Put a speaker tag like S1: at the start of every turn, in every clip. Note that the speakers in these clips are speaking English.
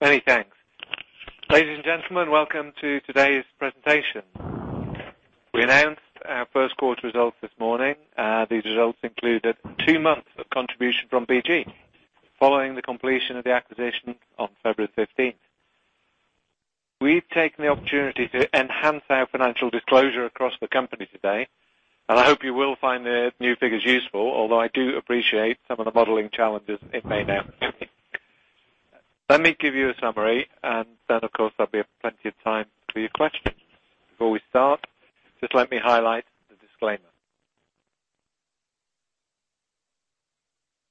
S1: Many thanks. Ladies and gentlemen, welcome to today's presentation. We announced our first-quarter results this morning. These results included 2 months of contribution from BG, following the completion of the acquisition on February 15th. We've taken the opportunity to enhance our financial disclosure across the company today, and I hope you will find the new figures useful, although I do appreciate some of the modeling challenges it may now bring. Let me give you a summary, and then, of course, there'll be plenty of time for your questions. Before we start, just let me highlight the disclaimer.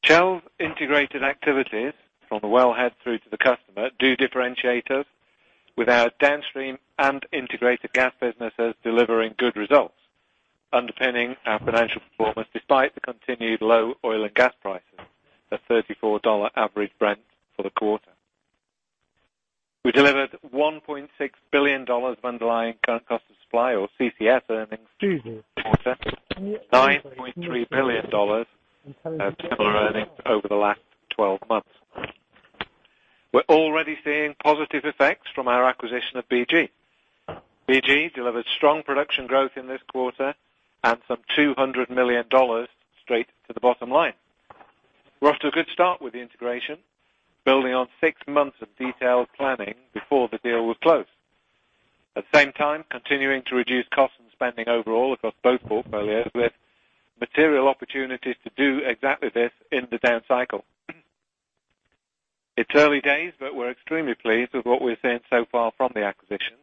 S1: Shell's integrated activities from the wellhead through to the customer do differentiate us with our downstream and integrated gas businesses delivering good results, underpinning our financial performance despite the continued low oil and gas prices at $34 average Brent for the quarter. We delivered $1.6 billion of underlying current cost of supply or CCS earnings-
S2: Excuse me
S1: this quarter, $9.3 billion of similar earnings over the last 12 months. We're already seeing positive effects from our acquisition of BG. BG delivered strong production growth in this quarter and some $200 million straight to the bottom line. We're off to a good start with the integration, building on 6 months of detailed planning before the deal was closed. At the same time, continuing to reduce costs and spending overall across both portfolios, with material opportunities to do exactly this in the downcycle. It's early days, but we're extremely pleased with what we're seeing so far from the acquisition.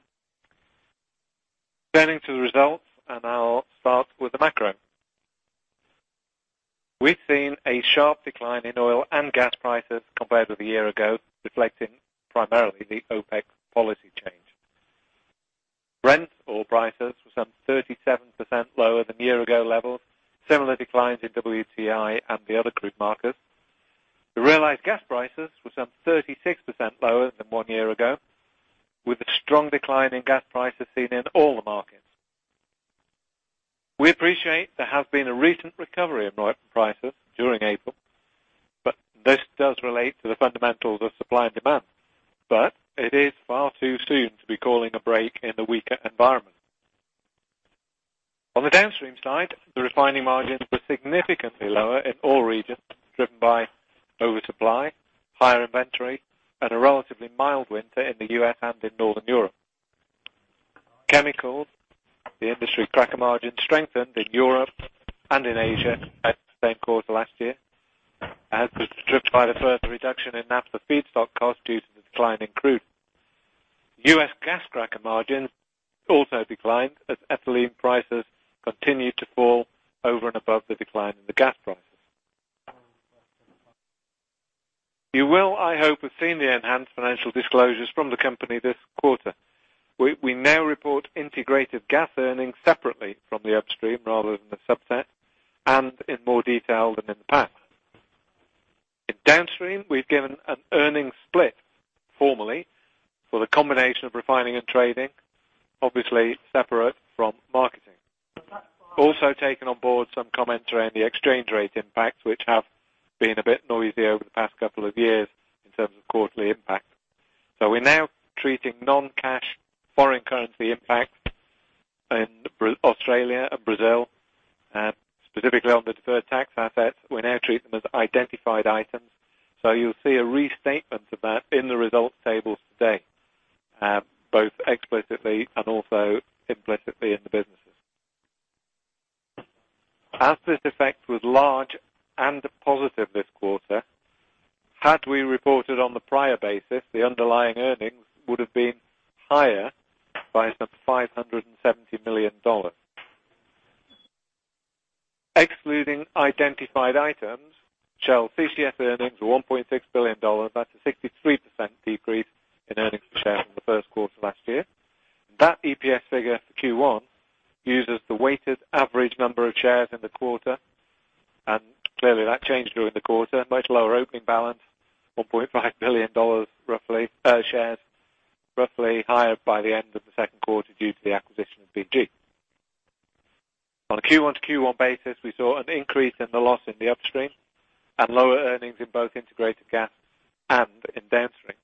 S1: Turning to the results, and I'll start with the macro. We've seen a sharp decline in oil and gas prices compared with a year ago, reflecting primarily the OPEC policy change. Brent oil prices were some 37% lower than year-ago levels. Similar declines in WTI and the other crude markets. The realized gas prices were some 36% lower than one year ago, with a strong decline in gas prices seen in all the markets. We appreciate there has been a recent recovery in oil prices during April, but this does relate to the fundamentals of supply and demand. It is far too soon to be calling a break in the weaker environment. On the downstream side, the refining margins were significantly lower in all regions, driven by oversupply, higher inventory, and a relatively mild winter in the U.S. and in Northern Europe. Chemicals, the industry cracker margin strengthened in Europe and in Asia compared to the same quarter last year. As was stripped by the further reduction in naphtha feedstock cost due to the decline in crude. U.S. gas cracker margins also declined as ethylene prices continued to fall over and above the decline in the gas prices. You will, I hope, have seen the enhanced financial disclosures from the company this quarter. We now report integrated gas earnings separately from the upstream rather than the subset, and in more detail than in the past. In downstream, we've given an earnings split formally for the combination of refining and trading, obviously separate from marketing. Also taken on board some comments around the exchange rate impacts, which have been a bit noisy over the past couple of years in terms of quarterly impact. We're now treating non-cash foreign currency impacts in Australia and Brazil, specifically on the deferred tax assets. We now treat them as identified items. You'll see a restatement of that in the results tables today, both explicitly and also implicitly in the businesses. As this effect was large and positive this quarter, had we reported on the prior basis, the underlying earnings would have been higher by some $570 million. Excluding identified items, Shell CCS earnings were $1.6 billion. That's a 63% decrease in earnings per share from the first quarter last year. That EPS figure for Q1 uses the weighted average number of shares in the quarter, and clearly that changed during the quarter. Much lower opening balance, $1.5 billion shares, roughly higher by the end of the second quarter due to the acquisition of BG. On a Q1 to Q1 basis, we saw an increase in the loss in the upstream and lower earnings in both integrated gas and in downstream.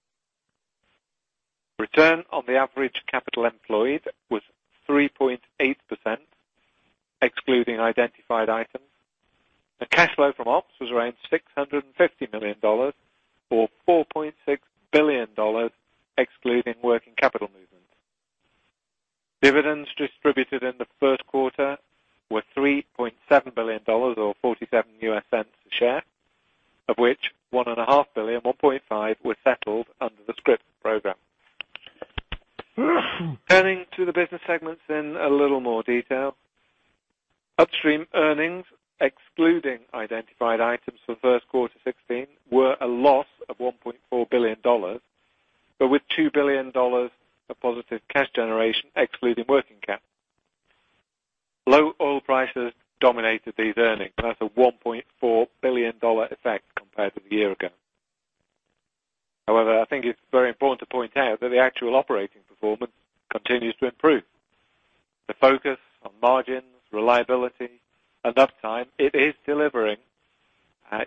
S1: Return on the average capital employed was 3.8%, excluding identified items. The cash flow from ops was around $650 million or $4.6 billion, excluding working capital movements. Dividends distributed in the first quarter were $3.7 billion, or $0.47 a share, of which $1.5 billion was settled under the scrip program. Turning to the business segments in a little more detail. Upstream earnings, excluding identified items for first quarter 2016, were a loss of $1.4 billion, but with $2 billion of positive cash generation excluding working capital. Low oil prices dominated these earnings, and that's a $1.4 billion effect compared to a year ago. However, I think it's very important to point out that the actual operating performance continues to improve The focus on margins, reliability, and uptime, it is delivering.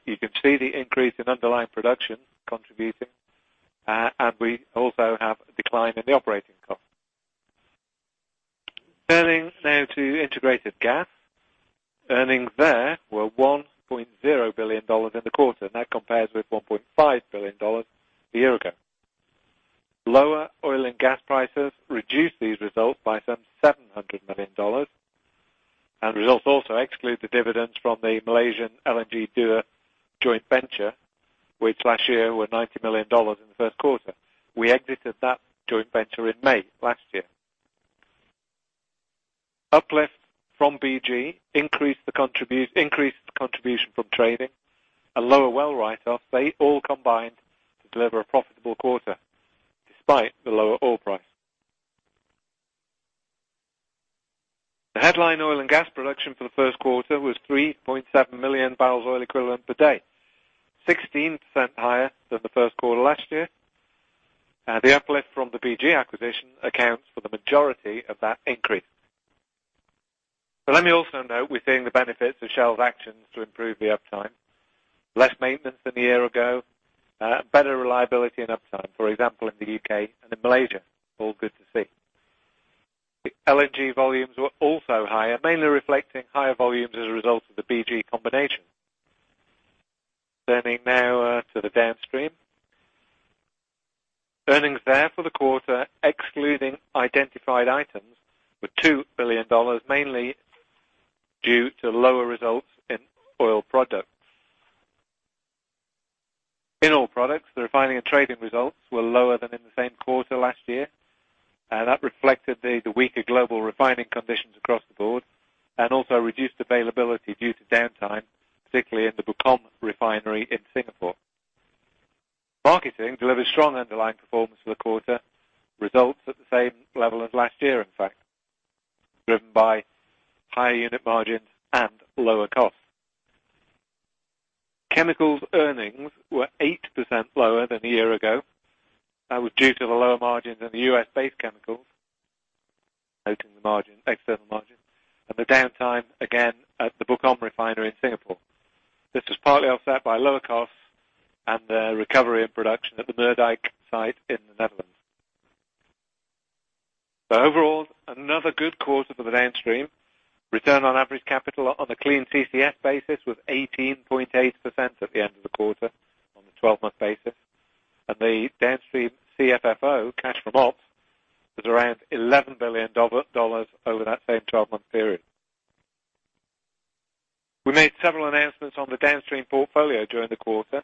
S1: You can see the increase in underlying production contributing, and we also have a decline in the operating costs. Turning now to integrated gas. Earnings there were $1.0 billion in the quarter. That compares with $1.5 billion a year ago. Lower oil and gas prices reduced these results by some $700 million. Results also exclude the dividends from the Malaysia LNG Dua joint venture, which last year were $90 million in the first quarter. We exited that joint venture in May last year. Uplift from BG increased the contribution from trading and lower well write-offs. They all combined to deliver a profitable quarter despite the lower oil price. The headline oil and gas production for the first quarter was 3.7 million barrels oil equivalent per day, 16% higher than the first quarter last year. The uplift from the BG acquisition accounts for the majority of that increase. Let me also note, we're seeing the benefits of Shell's actions to improve the uptime. Less maintenance than a year ago, better reliability and uptime, for example, in the U.K. and in Malaysia. All good to see. LNG volumes were also higher, mainly reflecting higher volumes as a result of the BG combination. Turning now to the downstream. Earnings there for the quarter, excluding identified items, were $2 billion, mainly due to lower results in oil products. In oil products, the refining and trading results were lower than in the same quarter last year. That reflected the weaker global refining conditions across the board and also reduced availability due to downtime, particularly in the Bukom refinery in Singapore. Marketing delivered strong underlying performance for the quarter, results at the same level as last year, in fact, driven by higher unit margins and lower costs. Chemicals earnings were 8% lower than a year ago. That was due to the lower margins in the U.S.-based chemicals, external margins, and the downtime again at the Bukom refinery in Singapore. This was partly offset by lower costs and the recovery in production at the Moerdijk site in the Netherlands. Overall, another good quarter for the downstream. Return on average capital on a clean CCS basis was 18.8% at the end of the quarter on the 12-month basis, and the downstream CFFO, cash from ops, was around $11 billion over that same 12-month period. We made several announcements on the downstream portfolio during the quarter.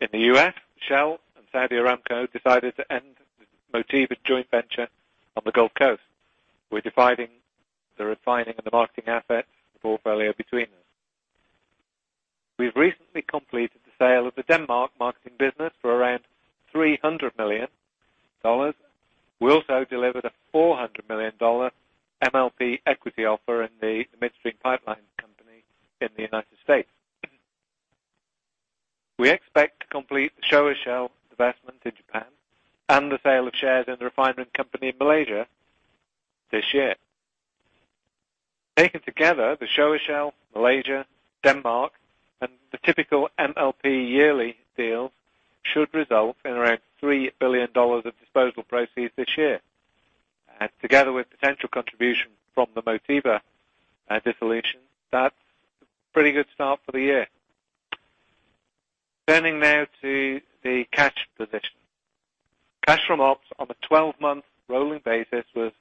S1: In the U.S., Shell and Saudi Aramco decided to end the Motiva joint venture on the Gulf Coast. We're dividing the refining and the marketing assets portfolio between us. We've recently completed the sale of the Denmark marketing business for around $300 million. We also delivered a $400 million MLP equity offer in the midstream pipeline company in the United States. We expect to complete the Showa Shell investment in Japan and the sale of shares in the refinement company in Malaysia this year. Taken together, the Showa Shell, Malaysia, Denmark, and the typical MLP yearly deals should result in around $3 billion of disposal proceeds this year. Together with potential contribution from the Motiva dissolution, that's a pretty good start for the year. Turning now to the cash position. Cash from ops on a 12-month rolling basis was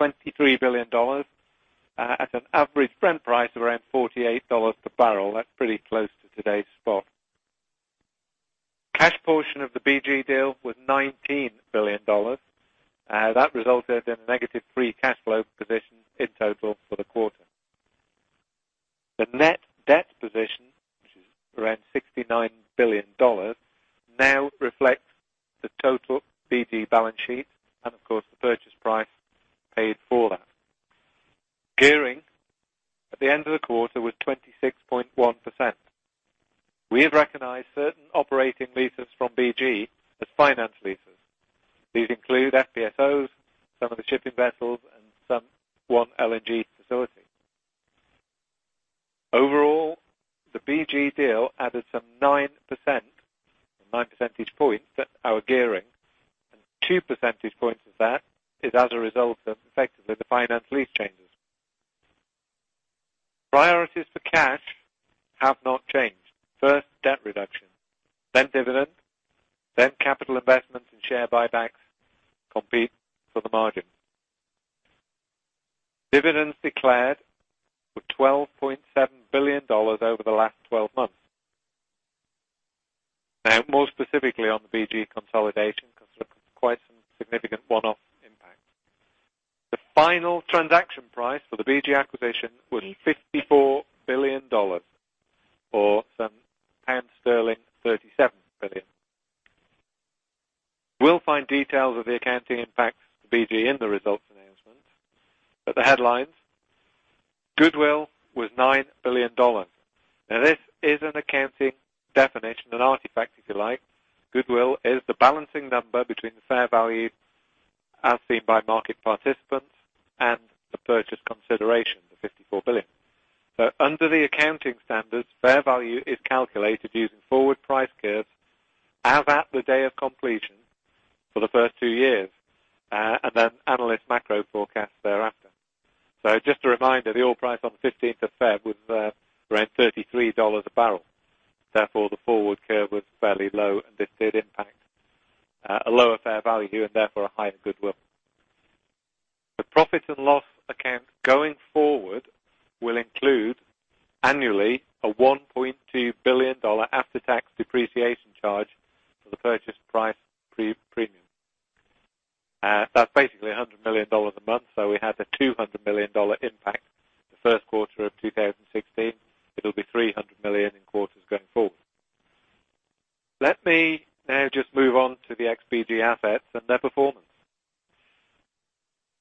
S1: $23 billion at an average Brent price of around $48 per barrel. That's pretty close to today's spot. Cash portion of the BG deal was $19 billion. That resulted in a negative free cash flow position in total for the quarter. The net debt position, which is around $69 billion, now reflects the total BG balance sheet and of course, the purchase price paid for that. Gearing at the end of the quarter was 26.1%. We have recognized certain operating leases from BG as finance leases. These include FPSOs, some of the shipping vessels, and one LNG facility. Overall, the BG deal added 9%, or 9 percentage points, to our gearing, and 2 percentage points of that is as a result of effectively the finance lease changes. Priorities for cash have not changed. First, debt reduction, then dividends, then capital investments and share buybacks compete for the margin. Dividends declared were $12.7 billion over the last 12 months. More specifically on the BG consolidation, it's quite a significant one-off impact. The final transaction price for the BG acquisition was $54 billion, or sterling 37 billion. We'll find details of the accounting impacts to BG in the results announcement, the headline goodwill was $9 billion. This is an accounting definition, an artifact, if you like. Goodwill is the balancing number between the fair value as seen by market participants and the purchase consideration, the $54 billion. Under the accounting standards, fair value is calculated using forward price curves as at the day of completion for the first 2 years, and then analyst macro forecasts thereafter. Just a reminder, the oil price on the 15th of February was around $33 a barrel. The forward curve was fairly low, and this did impact a lower fair value and therefore a higher goodwill. The profit and loss account going forward will include annually a $1.2 billion after-tax depreciation charge for the purchase price premium. That's basically $100 million a month. We had a $200 million impact the first quarter of 2016. It'll be $300 million in quarters going forward. Let me now just move on to the ex-BG assets and their performance.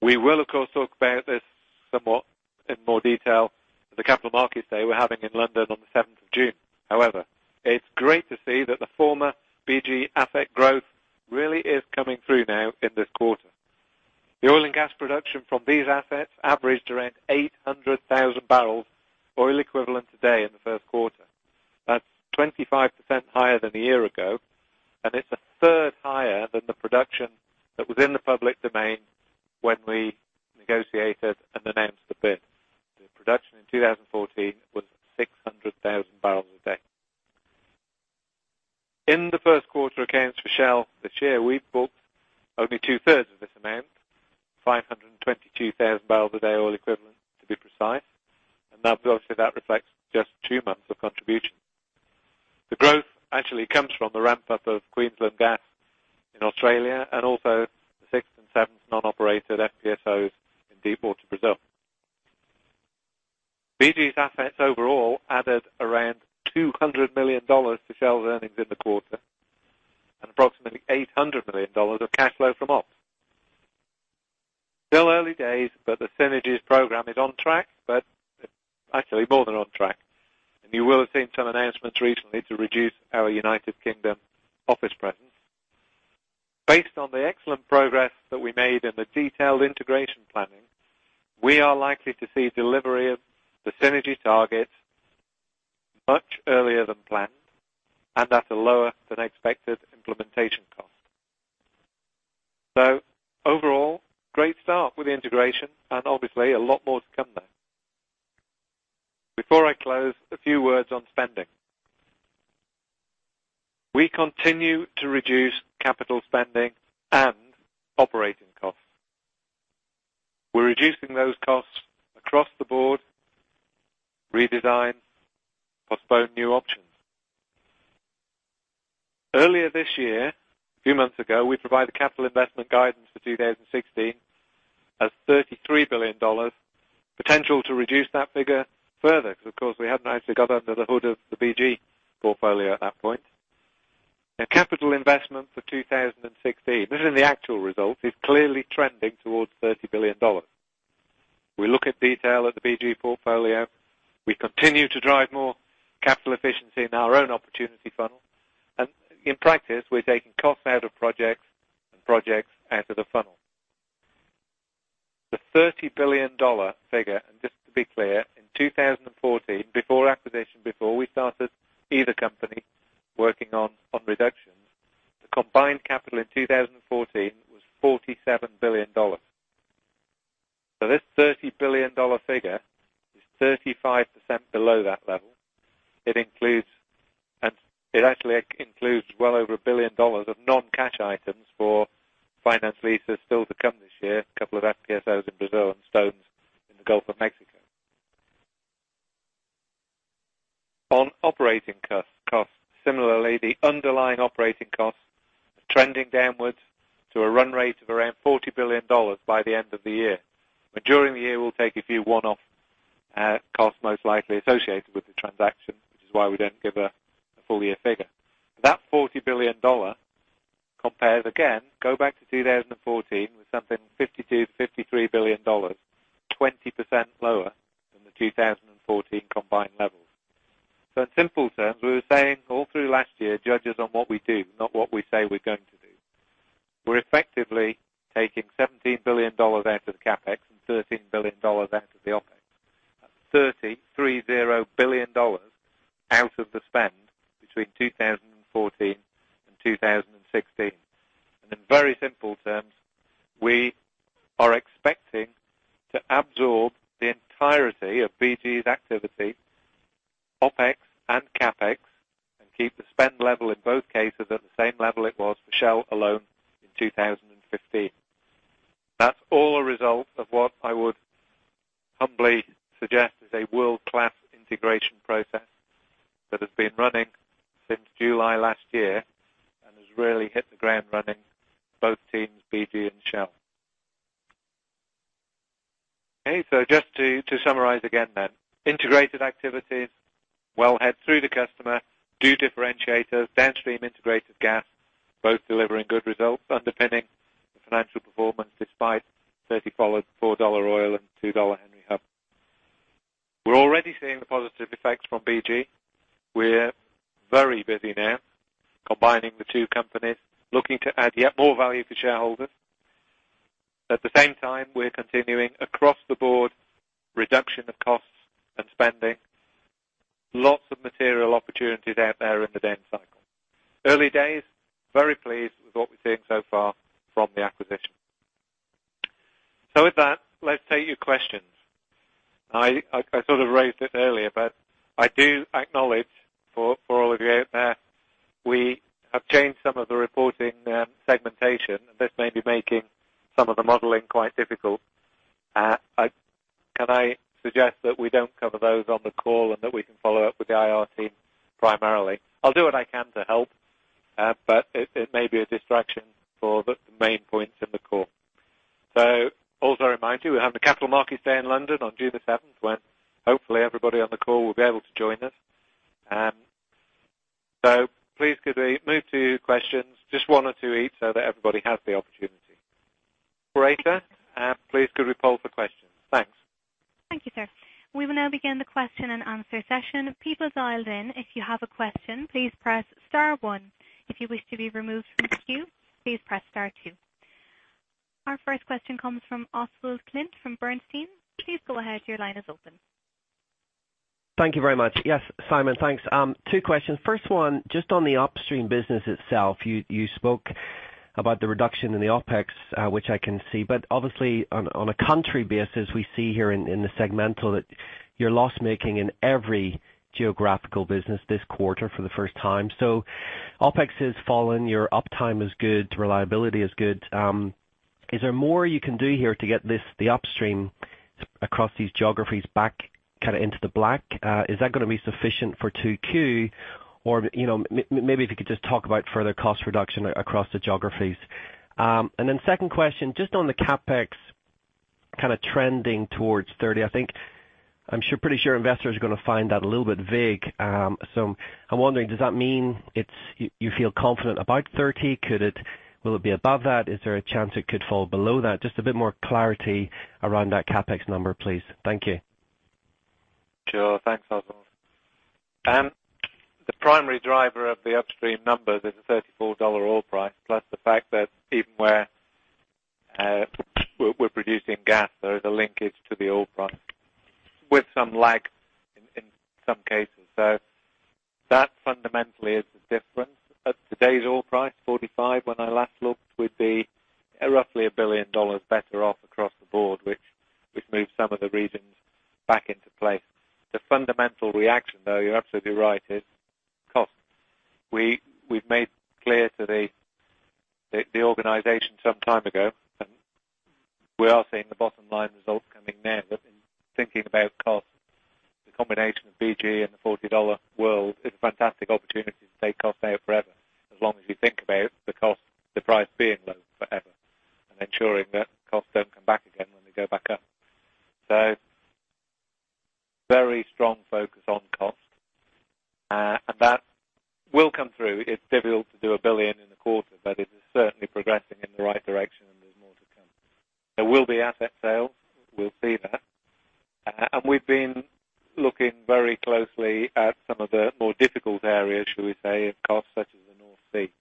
S1: We will, of course, talk about this somewhat in more detail at the capital markets day we're having in London on the 7th of June. It's great to see that the former BG asset growth really is coming through now in this quarter. The oil and gas production from these assets averaged around 800,000 barrels oil equivalent a day in the first quarter. That's 25% higher than a year ago, and it's a third higher than the production that was in the public domain when we negotiated and announced the bid. The production in 2014 was 600,000 barrels a day. In the first quarter accounts for Shell this year, we've booked only two-thirds of this amount, 522,000 barrels a day oil equivalent to be precise. Obviously, that reflects just 2 months of contribution. The growth actually comes from the ramp-up of Queensland Gas in Australia and also the sixth and seventh non-operated FPSOs in deepwater Brazil. BG's assets overall added around $200 million to Shell's earnings in the quarter and approximately $800 million of cash flow from ops. Still early days, the synergies program is on track, but actually more than on track. You will have seen some announcements recently to reduce our U.K. office presence. Based on the excellent progress that we made in the detailed integration planning, we are likely to see delivery of the synergy targets much earlier than planned and at a lower than expected implementation cost. Overall, great start with the integration and obviously a lot more to come there. Before I close, a few words on spending. We continue to reduce capital spending and operating costs. We're reducing those costs across the board, redesign, postpone new options. Earlier this year, a few months ago, we provided capital investment guidance for 2016 as $33 billion, potential to reduce that figure further because, of course, we hadn't actually got under the hood of the BG portfolio at that point. Now, capital investment for 2016, looking at the actual results, is clearly trending towards $30 billion. We look in detail at the BG portfolio. We continue to drive more capital efficiency in our own opportunity funnel. In practice, we're taking costs out of projects and projects out of the funnel. The $30 billion figure, just to be clear, in 2014, before acquisition, before we started either company working on reductions, the combined capital in 2014 was $47 billion. This $30 billion figure is 35% below that level. It actually includes well over $1 billion of non-cash items for finance leases still to come this year, a couple of FPSOs in Brazil and Vito in the Gulf of Mexico. On operating costs, similarly, the underlying operating costs are trending downwards to a run rate of around $40 billion by the end of the year. During the year, we'll take a few one-off costs, most likely associated with the transaction, which is why we don't give a full-year figure. That $40 billion compares, again, go back to 2014, with something, $52 billion-$53 billion, 20% lower than the 2014 combined levels. In simple terms, we were saying all through last year, judge us on what we do, not what we say we're going to do. We're effectively taking $17 billion out of the CapEx and $13 billion out of the OpEx. That's $30 billion out of the spend between 2014 and 2016. In very simple terms, we are expecting to absorb the entirety of BG's activity, OpEx, and CapEx, and keep the spend level in both cases at the same level it was for Shell alone in 2015. That's all a result of what I would humbly suggest is a world-class integration process that has been running since July last year and has really hit the ground running for both teams, BG and Shell. Just to summarize again then, integrated activities, well ahead through the customer, new differentiators, downstream integrated gas, both delivering good results underpinning financial performance despite $34 oil and $2 Henry Hub. We're already seeing the positive effects from BG. We're very busy now combining the two companies, looking to add yet more value for shareholders. At the same time, we're continuing across the board reduction of costs and spending. Lots of material opportunities out there in the down cycle. Early days, very pleased with what we're seeing so far from the acquisition. With that, let's take your questions. I sort of raised this earlier, but I do acknowledge for all of you out there, we have changed some of the reporting segmentation, and this may be making some of the modeling quite difficult. Can I suggest that we don't cover those on the call and that we can follow up with the IR team primarily? I'll do what I can to help, but it may be a distraction for the main points in the call. Also a reminder, we have the Capital Markets Day in London on June the 7th, when hopefully everybody on the call will be able to join us. Please could we move to questions, just one or two each, so that everybody has the opportunity. Operator, please could we poll for questions? Thanks.
S2: Thank you, sir. We will now begin the question and answer session. People dialed in, if you have a question, please press star one. If you wish to be removed from the queue, please press star two. Our first question comes from Oswald Clint from Bernstein. Please go ahead, your line is open.
S3: Thank you very much. Yes, Simon. Thanks. Two questions. First one, just on the upstream business itself, you spoke about the reduction in the OpEx, which I can see. Obviously on a country basis, we see here in the segmental that you're loss-making in every geographical business this quarter for the first time. OpEx has fallen, your uptime is good, reliability is good. Is there more you can do here to get the upstream across these geographies back into the black? Is that going to be sufficient for 2Q? Maybe if you could just talk about further cost reduction across the geographies. Second question, just on the CapEx trending towards 30, I think. I'm pretty sure investors are going to find that a little bit vague. I'm wondering, does that mean you feel confident about 30? Will it be above that? Is there a chance it could fall below that? Just a bit more clarity around that CapEx number, please. Thank you.
S1: Thanks, Oswald. The primary driver of the upstream number is a $34 oil price, plus the fact that even where we're producing gas, there is a linkage to the oil price, with some lag in some cases. That fundamentally is the difference. At today's oil price, $45 when I last looked, we'd be roughly $1 billion better off across the board, which moves some of the regions back into play. The fundamental reaction, though, you're absolutely right, is cost. We've made clear to the organization some time ago, and we are seeing the bottom line results coming then. In thinking about cost, the combination of BG and the $40 world is a fantastic opportunity to take cost out forever, as long as you think about the price being low forever and ensuring that costs don't come back again when they go back up. Very strong focus on cost. That will come through. It's difficult to do $1 billion in a quarter, but it is certainly progressing in the right direction and there's more to come. There will be asset sales. We'll see that. We've been looking very closely at some of the more difficult areas, shall we say, of cost, such as the North Sea,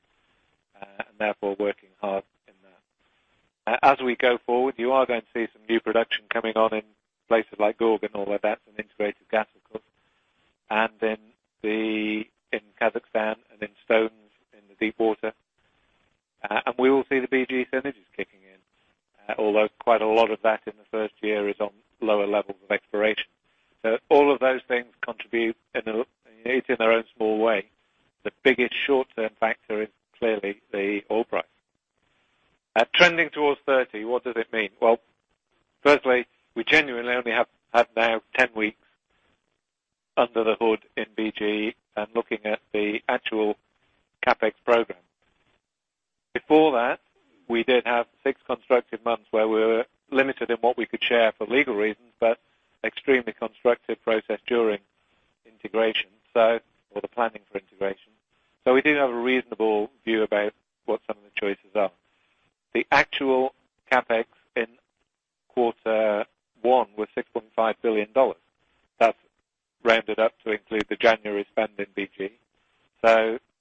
S1: and therefore working hard in that. As we go forward, you are going to see some new production coming on in places like Gorgon, all where that's an integrated gas, of course. Then in Kazakhstan and in Stones in the deepwater. We will see the BG synergies kicking in. Although quite a lot of that in the first year is on lower levels of exploration. All of those things contribute, each in their own small way. The biggest short-term factor is clearly the oil price. Trending towards $30, what does it mean? Well, firstly, we genuinely only have now 10 weeks under the hood in BG and looking at the actual CapEx program. Before that, we did have 6 constructive months where we were limited in what we could share for legal reasons, but extremely constructive process during integration, or the planning for integration. We do have a reasonable view about what some of the choices are. The actual CapEx in quarter one was $6.5 billion. That's rounded up to include the January spend in BG.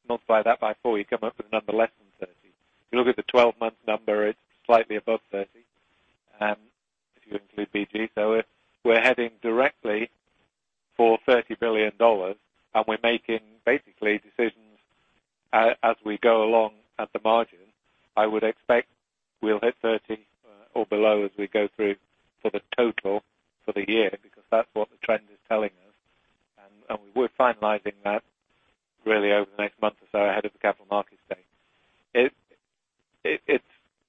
S1: Multiply that by 4, you come up with a number less than $30 billion. If you look at the 12-month number, it's slightly above $30 billion, if you include BG. We're heading directly for $30 billion, and we're making basically decisions as we go along at the margin. I would expect we'll hit $30 billion or below as we go through for the total for the year, because that's what the trend is telling us. We're finalizing that really over the next month or so ahead of the Capital Markets Day.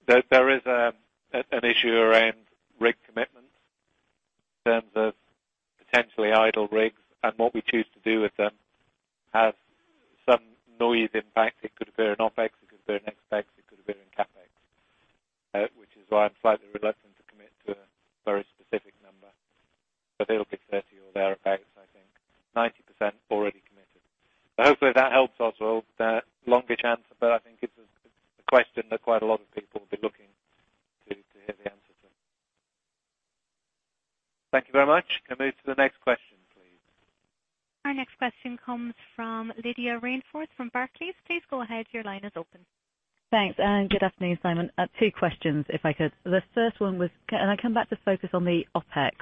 S1: There is an issue around rig commitments in terms of potentially idle rigs and what we choose to do with them has some noise impact. It could appear in OpEx, it could appear in ExEx, it could appear in CapEx. Which is why I'm slightly reluctant to commit to a very specific number. It'll be $30 billion or thereabouts, I think. 90% already committed. Hopefully that helps, Oswald. A longer answer, but I think it's a question that quite a lot of people have been looking to hear the answer to. Thank you very much. Can I move to the next question, please?
S2: Our next question comes from Lydia Rainforth from Barclays. Please go ahead. Your line is open.
S4: Thanks. Good afternoon, Simon. Two questions, if I could. The first one was, can I come back to focus on the OpEx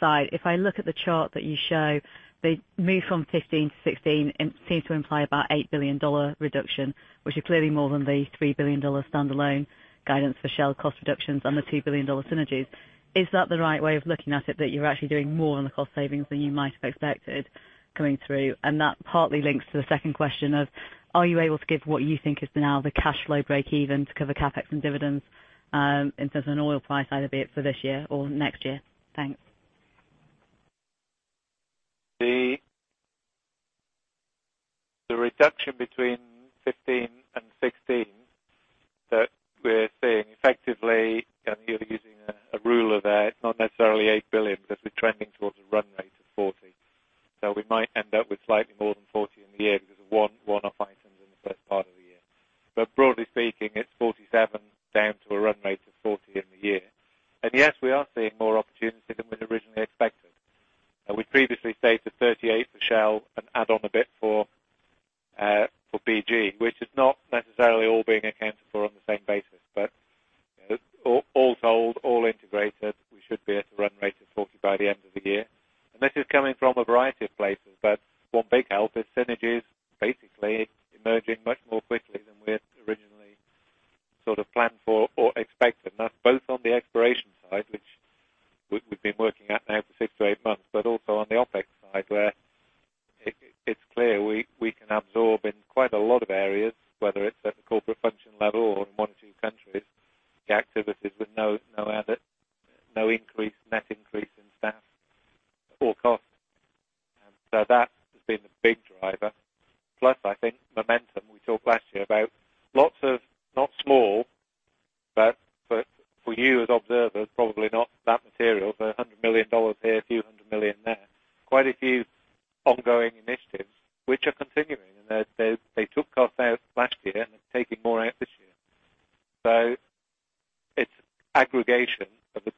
S4: side? If I look at the chart that you show, the move from 2015 to 2016 seems to imply about $8 billion reduction, which is clearly more than the $3 billion standalone guidance for Shell cost reductions and the $2 billion synergies. Is that the right way of looking at it, that you're actually doing more on the cost savings than you might have expected coming through? That partly links to the second question of, are you able to give what you think is now the cash flow breakeven to cover CapEx and dividends in terms of an oil price, either be it for this year or next year? Thanks.
S1: The reduction between 2015 and 2016 that we're seeing, effectively, here using a rule of A, it's not necessarily $8 billion because we're trending towards a run rate of $40 billion. We might end up with slightly more than $40 billion in the year because of one-off items in the first part of the year. Broadly speaking, it's $47 billion down to a run rate of $40 billion in the year. Yes, we are seeing more opportunity than we'd originally expected. We previously stated $38 billion for Shell and add on a bit for BG, which is not necessarily all being accounted for on the same basis. All told, all integrated, we should be at a run rate of $40 billion by the end of the year. This is coming from a variety of places, but One big help is synergies basically emerging much more quickly than we had originally planned for or expected. That's both on the exploration side, which we've been working at now for six to eight months, but also on the OpEx side, where it's clear we can absorb in quite a lot of areas, whether it's at the corporate function level or in one or two countries. The activities with no net increase in staff or cost. That has been a big driver. Plus, I think momentum, we talked last year about lots of, not small, but for you as observers, probably not that material, but $100 million here, a few hundred million there. Quite a few ongoing initiatives which are continuing. They took costs out last year, and They're taking more out this year. It's aggregation of the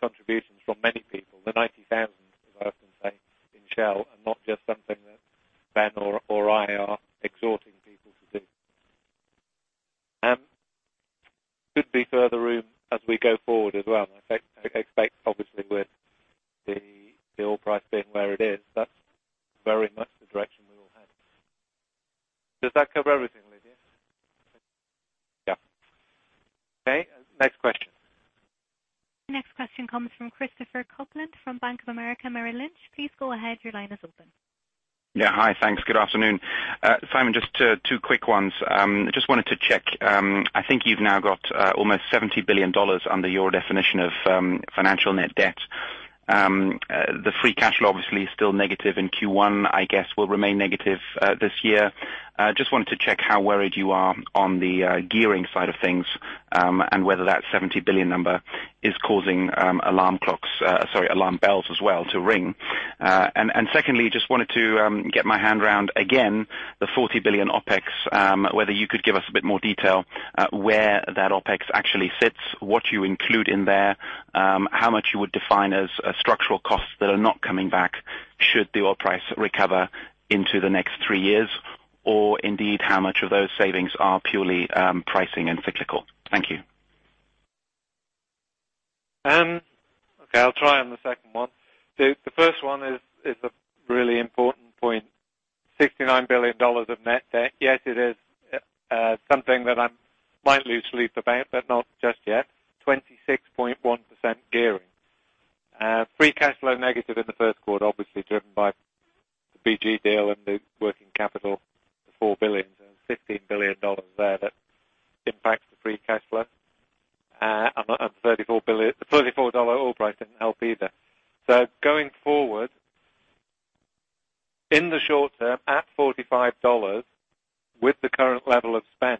S1: contributions from many people, the 90,000, as I often say, in Shell, and not just something that Ben or I are exhorting people to do. Could be further room as we go forward as well. I expect, obviously, with the oil price being where it is, that's very much the direction we will head. Does that cover everything, Lydia? Next question.
S2: Next question comes from Christopher Kuplent from Bank of America Merrill Lynch. Please go ahead. Your line is open.
S5: Hi, thanks. Good afternoon. Simon, just two quick ones. I just wanted to check. I think you've now got almost $70 billion under your definition of financial net debt. The free cash flow, obviously, is still negative in Q1. I guess will remain negative this year. Just wanted to check how worried you are on the gearing side of things and whether that $70 billion number is causing alarm bells as well to ring. Secondly, just wanted to get my hand round again the $40 billion OpEx, whether you could give us a bit more detail where that OpEx actually sits, what you include in there, how much you would define as structural costs that are not coming back should the oil price recover into the next three years? Or indeed, how much of those savings are purely pricing and cyclical? Thank you.
S1: Okay, I'll try on the second one. The first one is a really important point. $69 billion of net debt. Yes, it is something that I might lose sleep about, but not just yet. 26.1% gearing. Free cash flow negative in the first quarter, obviously driven by the BG deal and the working capital, the $4 billion. It's $15 billion there that impacts the free cash flow. A $34 oil price didn't help either. Going forward, in the short term, at $45, with the current level of spend,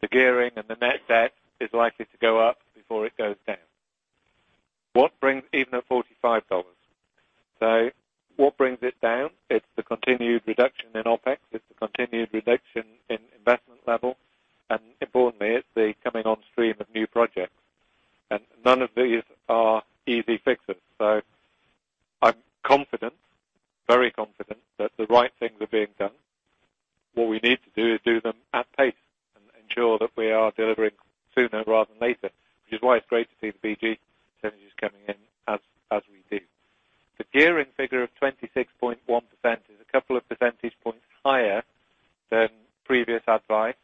S1: the gearing and the net debt is likely to go up before it goes down, even at $45. What brings it down? It's the continued reduction in OpEx. It's the continued reduction in investment level. Importantly, it's the coming on stream of new projects. None of these are easy fixes. I'm confident, very confident, that the right things are being done. What we need to do is do them at pace and ensure that we are delivering sooner rather than later. It's great to see the BG synergies coming in as we do. The gearing figure of 26.1% is a couple of percentage points higher than previous advice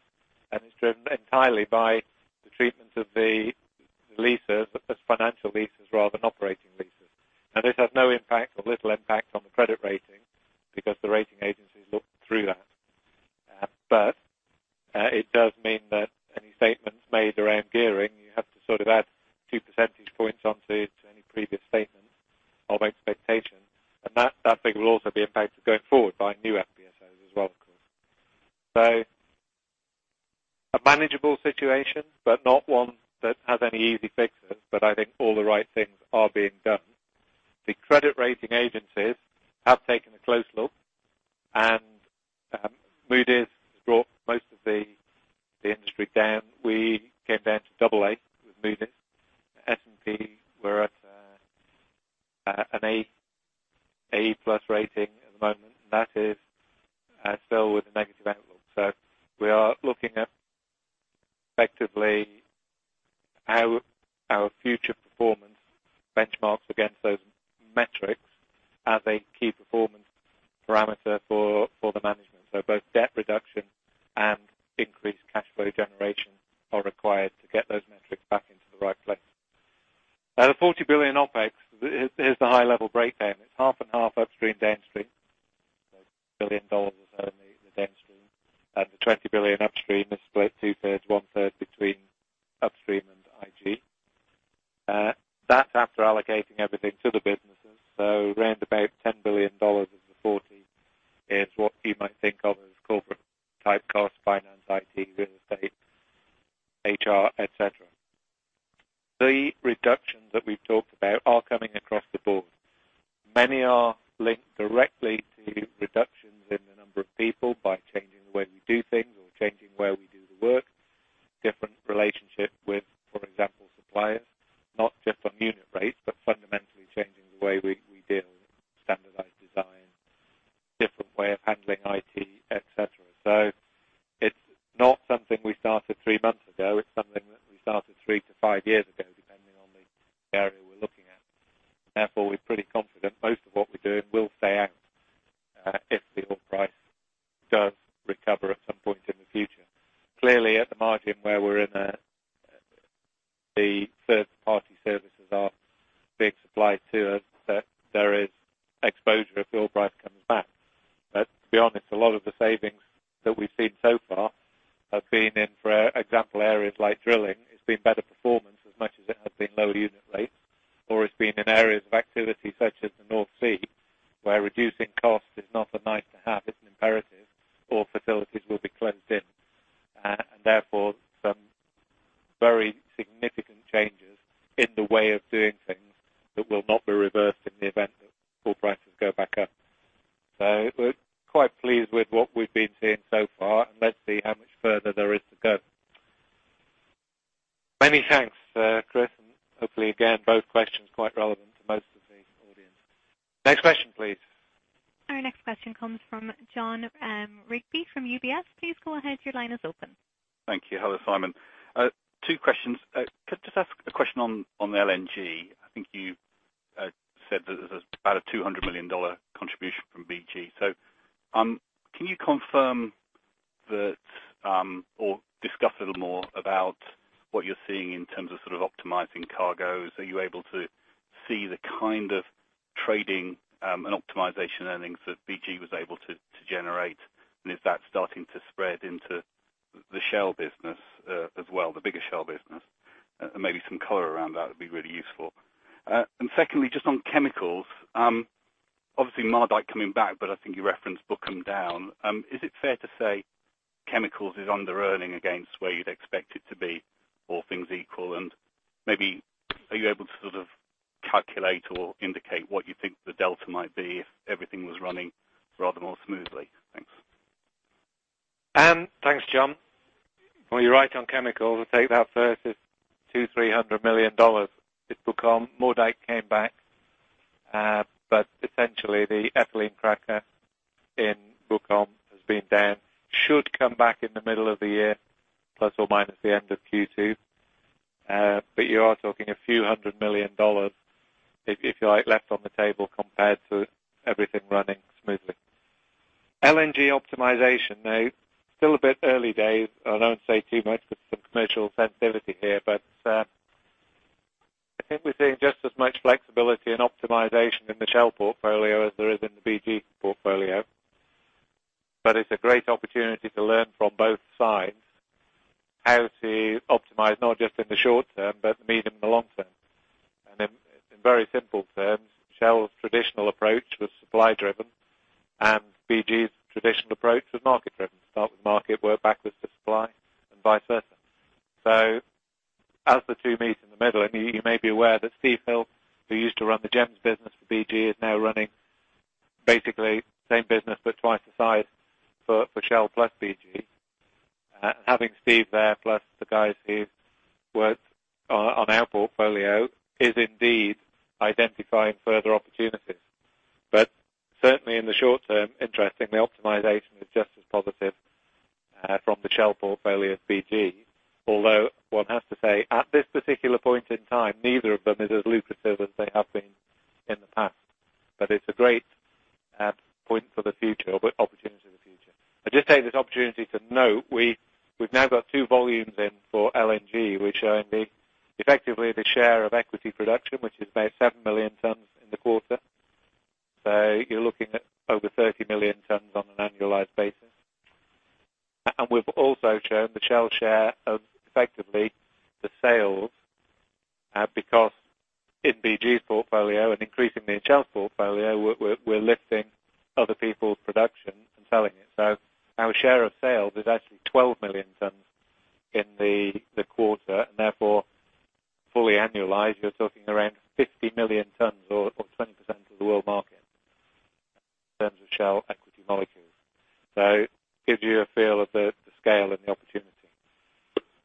S1: and is driven entirely by the treatment of the leases as financial leases rather than operating leases. This has no impact or little impact on the credit rating because the rating agencies look through that. It does mean that any statements made around gearing, you have to sort of add two percentage points onto any previous statements of expectation. That figure will also be impacted going forward by new FPSOs as well, of course. A manageable situation, but not one that has any easy fixes, but I think all the right things are being done. The credit rating agencies have taken a close look, and Moody's has brought most of the industry down. We came down to double A with Moody's. S&P, we're at an A plus rating at the moment, and that is still with a negative
S6: chemicals is under-earning against where you'd expect it to be, all things equal? Maybe are you able to sort of calculate or indicate what you think the delta might be if everything was running rather more smoothly? Thanks.
S1: Thanks, Jon. You're right on chemicals. I'll take that first. It's $200, $300 million. It's Bukom. Moerdijk came back. Essentially, the ethylene cracker in Bukom has been down. Should come back in the middle of the year, plus or minus the end of Q2. You are talking a few hundred million dollars, if you like, left on the table compared to everything running smoothly. LNG optimization. Still a bit early days. I don't say too much with some commercial sensitivity here, but I think we're seeing just as much flexibility and optimization in the Shell portfolio as there is in the BG portfolio. It's a great opportunity to learn from both sides how to optimize not just in the short term, but the medium and the long term. In very simple terms, Shell's traditional approach was supply-driven, and BG's traditional approach was market-driven. As the two meet in the middle, you may be aware that Steve Hill, who used to run the GEMS business for BG, is now running basically the same business, but twice the size for Shell plus BG. Having Steve there, plus the guys who've worked on our portfolio is indeed identifying further opportunities. Certainly in the short term, interestingly, optimization is just as positive from the Shell portfolio as BG. One has to say, at this particular point in time, neither of them is as lucrative as they have been in the past. It's a great point for the future, opportunity for the future. I'll just take this opportunity to note, we've now got two volumes in for LNG. We're showing effectively the share of equity production, which is about seven million tons in the quarter. You're looking at over 30 million tons on an annualized basis. We've also shown the Shell share of effectively the sales Because in BG's portfolio and increasingly in Shell's portfolio, we're lifting other people's production and selling it. Our share of sales is actually 12 million tons in the quarter, and therefore fully annualized, you're talking around 50 million tons or 20% of the world market in terms of Shell equity molecules. It gives you a feel of the scale and the opportunity.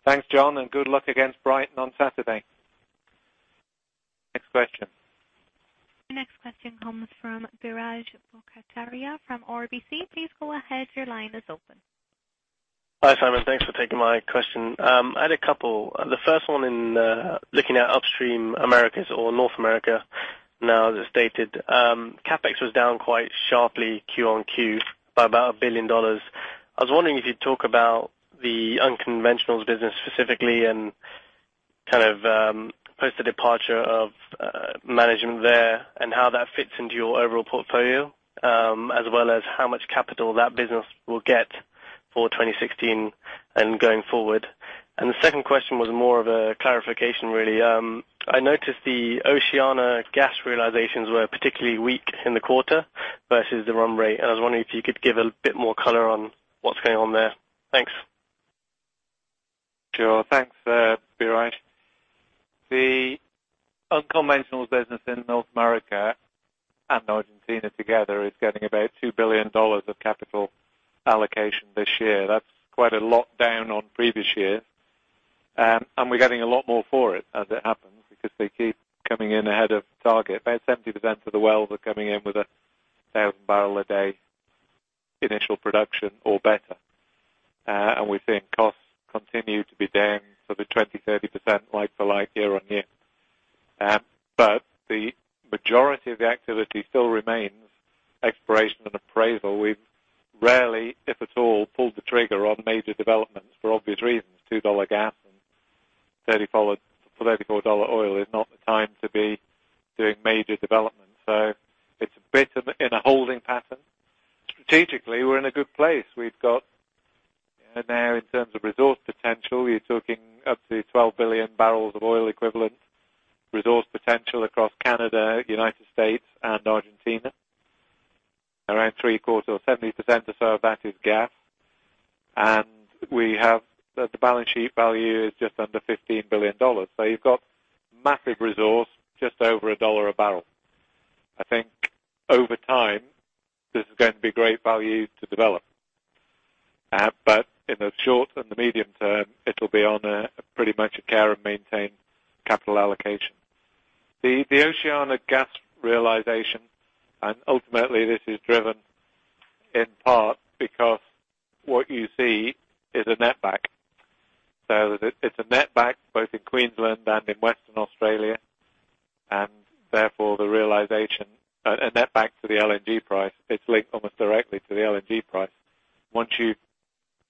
S1: Thanks, John, and good luck against Brighton on Saturday. Next question.
S2: Your next question comes from Biraj Borkhataria from RBC. Please go ahead. Your line is open.
S7: Hi, Simon. Thanks for taking my question. I had a couple. The first one in looking at upstream Americas or North America now as stated, CapEx was down quite sharply Q on Q by about $1 billion. I was wondering if you'd talk about the unconventionals business specifically and post the departure of management there, and how that fits into your overall portfolio, as well as how much capital that business will get for 2016 and going forward. The second question was more of a clarification, really. I noticed the Oceania gas realizations were particularly weak in the quarter versus the run rate. I was wondering if you could give a bit more color on what's going on there. Thanks.
S1: Sure. Thanks, Biraj. The unconventionals business in North America and Argentina together is getting about $2 billion of capital allocation this year. That's quite a lot down on previous years. We're getting a lot more for it as it happens, because they keep coming in ahead of target. About 70% of the wells are coming in with a 1,000 barrel a day initial production or better. We're seeing costs continue to be down sort of 20%-30% like-to-like year-over-year. The majority of the activity still remains exploration and appraisal. We've rarely, if at all, pulled the trigger on major developments for obvious reasons, $2 gas and $34 oil is not the time to be doing major development. It's a bit in a holding pattern. Strategically, we're in a good place. We've got now in terms of resource potential, you're talking up to 12 billion barrels of oil equivalent resource potential across Canada, U.S., and Argentina. Around three quarters or 70% or so of that is gas. We have the balance sheet value is just under $15 billion. You've got massive resource, just over $1 a barrel. I think over time, this is going to be great value to develop. In the short and the medium term, it'll be on a pretty much a care and maintain capital allocation. The Oceania gas realization, and ultimately this is driven in part because what you see is a net back. It's a net back both in Queensland and in Western Australia, and therefore the realization, a net back to the LNG price. It's linked almost directly to the LNG price. Once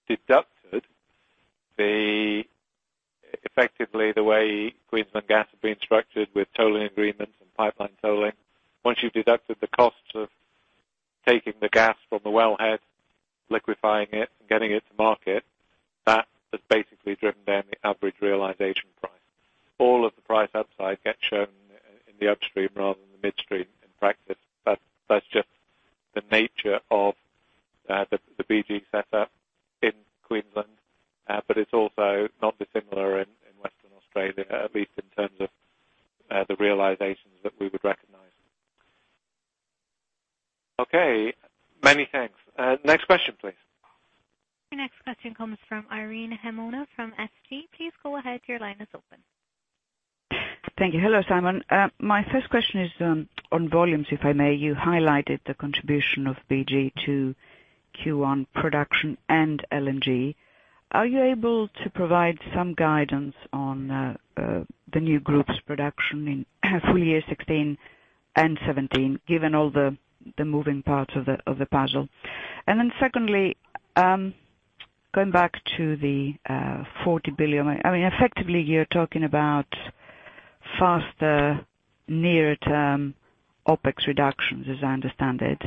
S1: you've deducted effectively the way Queensland gas is being structured with tolling agreements and pipeline tolling. Once you've deducted the costs of taking the gas from the wellhead, liquefying it and getting it to market, that has basically driven down the average realization price. All of the price upside gets shown in the upstream rather than the midstream in practice. That's just the nature of the BG setup in Queensland. It's also not dissimilar in Western Australia, at least in terms of the realizations that we would recognize. Okay. Many thanks. Next question, please.
S2: Your next question comes from Irene Himona from SG. Please go ahead. Your line is open.
S8: Thank you. Hello, Simon. My first question is on volumes, if I may. You highlighted the contribution of BG to Q1 production and LNG. Are you able to provide some guidance on the new group's production in full year 2016 and 2017, given all the moving parts of the puzzle? Secondly, going back to the $40 billion. Effectively, you're talking about faster near term OpEx reductions, as I understand it.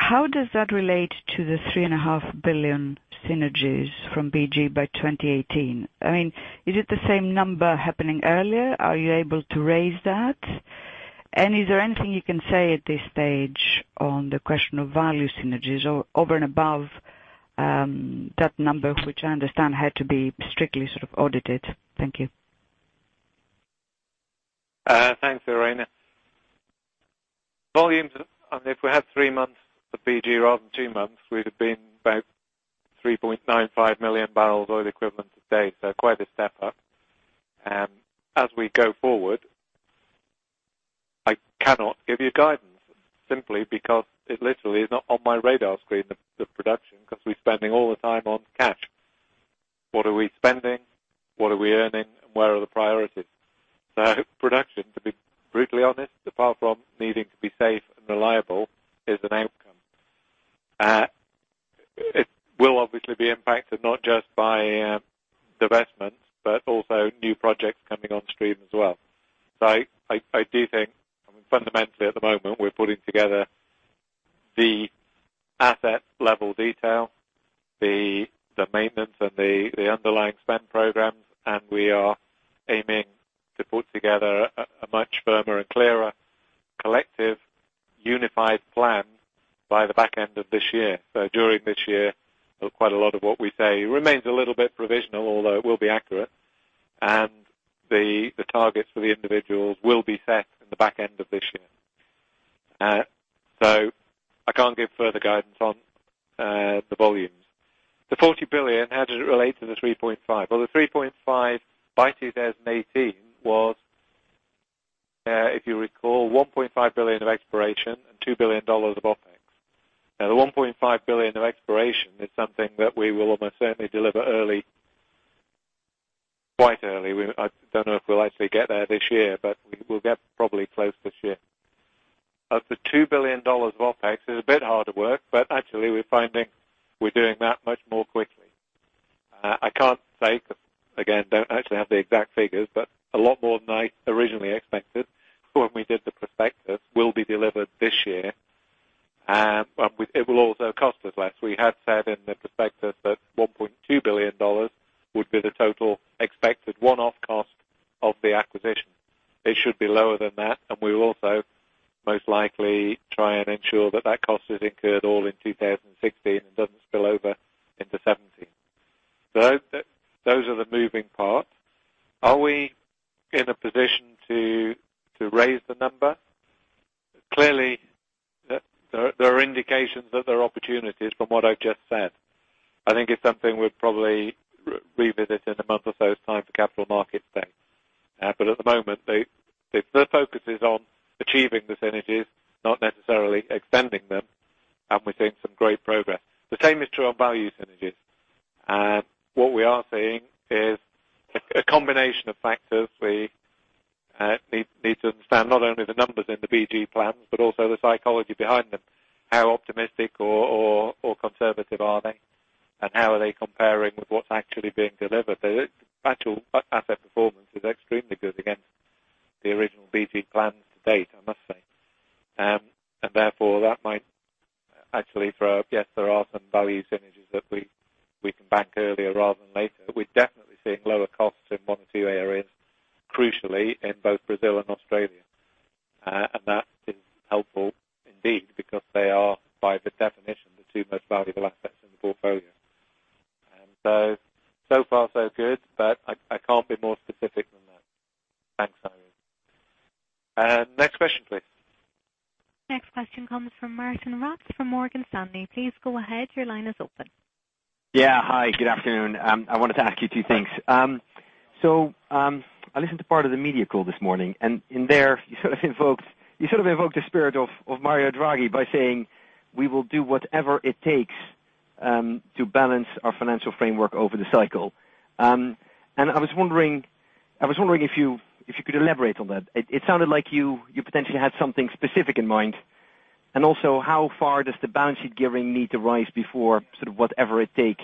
S8: How does that relate to the $3.5 billion synergies from BG by 2018? Is it the same number happening earlier? Are you able to raise that? Is there anything you can say at this stage on the question of value synergies over and above that number, which I understand had to be strictly sort of audited? Thank you.
S1: Thanks, Irene. Volumes, if we had three months of BG rather than two months, we'd have been about 3.95 million barrels oil equivalent a day. Quite a step up. As we go forward, I cannot give you guidance simply because it literally is not on my radar screen, the production, because we're spending all the time on cash. What are we spending? What are we earning? Where are the priorities? Production, to be brutally honest, apart from needing to be safe and reliable, is an outcome. It will obviously be impacted not just by divestments, but also new projects coming on stream as well. I do think fundamentally at the moment, we're putting together The asset level detail, the maintenance, and the underlying spend programs. We are aiming to put together a much firmer and clearer collective unified plan by the back end of this year. During this year, quite a lot of what we say remains a little bit provisional, although it will be accurate. The targets for the individuals will be set in the back end of this year. I can't give further guidance on the volumes. The $40 billion, how does it relate to the $3.5 billion? The $3.5 billion by 2018 was, if you recall, $1.5 billion of exploration and $2 billion of OpEx. The $1.5 billion of exploration is something that we will almost certainly deliver early, quite early. I don't know if we'll actually get there this year, but we'll get probably close this year. Of the $2 billion of OpEx, it is a bit harder work, but actually we're finding we're doing that much more quickly. I can't say because, again, don't actually have the exact figures, but a lot more than I originally expected when we did the prospectus will be delivered this year, and it will also cost us less. We had said in the prospectus that $1.2 billion would be the total expected one-off cost of the acquisition. It should be lower than that, and we will also most likely try and ensure that that cost is incurred all in 2016 and doesn't spill over into 2017. Those are the moving parts. Are we in a position to raise the number? Clearly, there are indications that there are opportunities from what I've just said. I think it's something we'll probably revisit in a month or so. It's time for capital market spend. At the moment, the focus is on achieving the synergies, not necessarily extending them. We're seeing some great progress. The same is true on value synergies. What we are seeing is a combination of factors. We need to understand not only the numbers in the BG plans, but also the psychology behind them. How optimistic or conservative are they, and how are they comparing with what's actually being delivered? The actual asset performance is extremely good against the original BG plans to date, I must say. Therefore, that might actually throw up, yes, there are some value synergies that we can bank earlier rather than later. We're definitely seeing lower costs in one or two areas, crucially in both Brazil and Australia. That is helpful indeed, because they are, by the definition, the two most valuable assets in the portfolio. So far so good, but I can't be more specific than that. Thanks, Irene. Next question, please.
S2: Next question comes from Martijn Rats from Morgan Stanley. Please go ahead. Your line is open.
S9: Yeah. Hi, good afternoon. I wanted to ask you two things. I listened to part of the media call this morning, and in there you sort of invoked the spirit of Mario Draghi by saying, "We will do whatever it takes to balance our financial framework over the cycle." I was wondering if you could elaborate on that. It sounded like you potentially had something specific in mind. Also, how far does the balance sheet gearing need to rise before sort of whatever it takes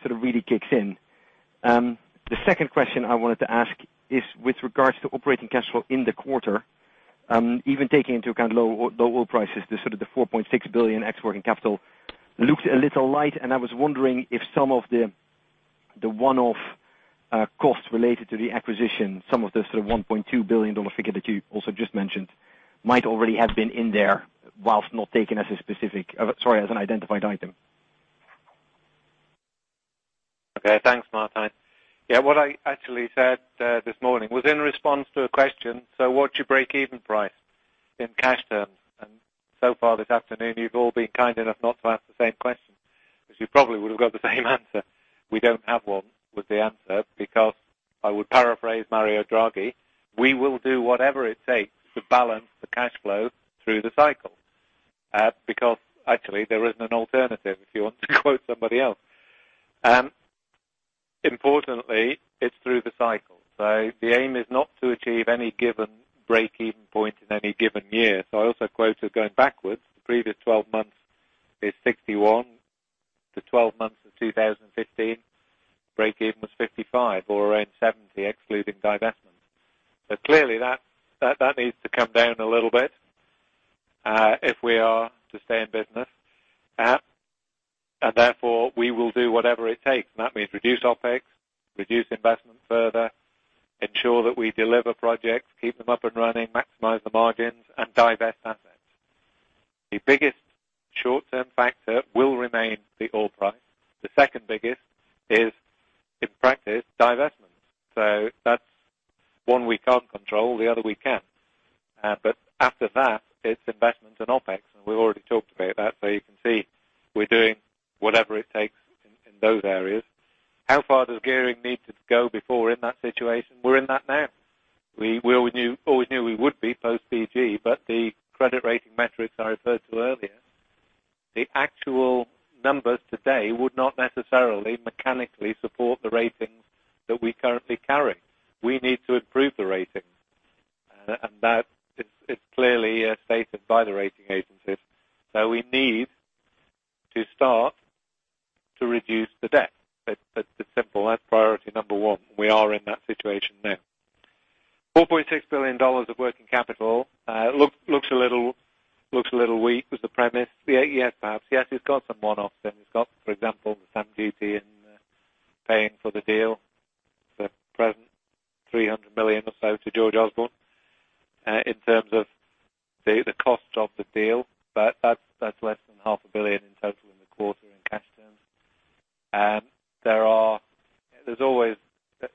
S9: sort of really kicks in? The second question I wanted to ask is with regards to operating cash flow in the quarter. Even taking into account low oil prices, the sort of the $4.6 billion working capital looks a little light. I was wondering if some of the one-off costs related to the acquisition, some of the sort of $1.2 billion figure that you also just mentioned might already have been in there while not taken as an identified item.
S1: Thanks, Martijn. What I actually said this morning was in response to a question, what's your break-even price in cash terms? So far this afternoon, you've all been kind enough not to ask the same question, you probably would have got the same answer. We don't have one, was the answer, I would paraphrase Mario Draghi, we will do whatever it takes to balance the cash flow through the cycle. Actually there isn't an alternative, if you want to quote somebody else. Importantly, it's through the cycle. The aim is not to achieve any given break-even point in any given year. I also quoted going backwards. The previous 12 months is $61 million. The 12 months of 2015, break-even was $55 million or around $70 million, excluding divestments. Clearly that needs to come down a little bit, if we are to stay in business. Therefore, we will do whatever it takes. That means reduce OpEx, reduce investment further, ensure that we deliver projects, keep them up and running, maximize the margins, and divest assets. The biggest short-term factor will remain the oil price. The second biggest is, in practice, divestment. That's one we can't control, the other we can. After that, it's investment and OpEx, we've already talked about that. You can see we're doing whatever it takes in those areas. How far does gearing need to go before in that situation? We're in that now. We always knew we would be post BG, but the credit rating metrics I referred to earlier, the actual numbers today would not necessarily mechanically support the ratings that we currently carry. We need to improve the ratings. That is clearly stated by the rating agencies. We need to start to reduce the debt. It's simple. That's priority number one. We are in that situation now. $4.6 billion of working capital looks a little weak as a premise. Yes, perhaps. Yes, it's got some one-offs in. It's got, for example, the stamp duty in paying for the deal. At present, $300 million or so to George Osborne in terms of the cost of the deal, but that's less than $500 million in total in the quarter in cash terms. There's always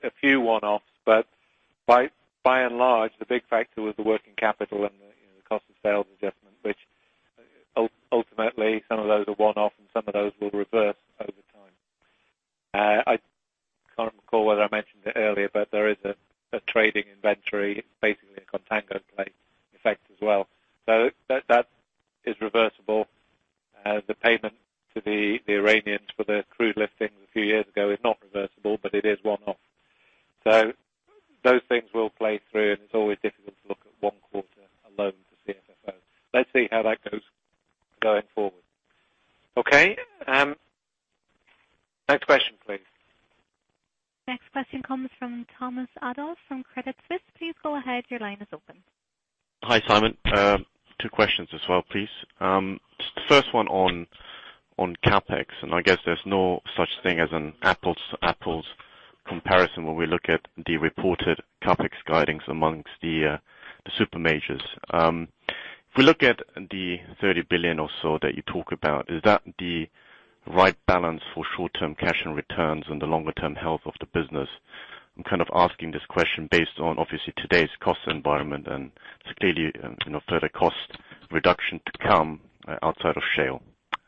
S1: a few one-offs, but by and large, the big factor was the working capital and the cost of sales adjustment, which ultimately some of those are one-off, some of those will reverse over time. I can't recall whether I mentioned it earlier, but there is a trading inventory. It's basically a contango effect as well. That is reversible. The payment to the Iranians for their crude liftings a few years ago is not reversible, but it is one-off. Those things will play through, and it's always difficult to look at one quarter alone to see FFO. Let's see how that goes going forward. Okay. Next question, please.
S2: Next question comes from Thomas Adolff from Credit Suisse. Please go ahead. Your line is open.
S10: Hi, Simon. Two questions as well, please. First one on CapEx, and I guess there's no such thing as an apples to apples comparison when we look at the reported CapEx guidings amongst the super majors. If we look at the $30 billion or so that you talk about, is that the right balance for short-term cash and returns and the longer-term health of the business? I'm kind of asking this question based on, obviously, today's cost environment, and it's clearly further cost reduction to come outside of shale.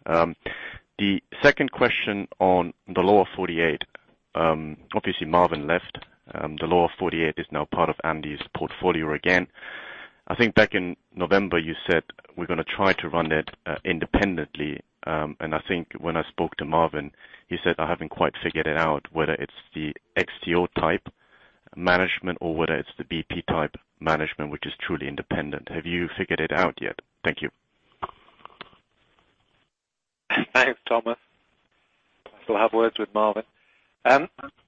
S10: The second question on the Lower 48. Obviously, Marvin left. The Lower 48 is now part of Andy's portfolio again. I think back in November, you said we're going to try to run it independently. I think when I spoke to Marvin, he said, I haven't quite figured it out, whether it's the XTO type management or whether it's the BP type management, which is truly independent. Have you figured it out yet? Thank you.
S1: Thanks, Thomas. I shall have words with Marvin. On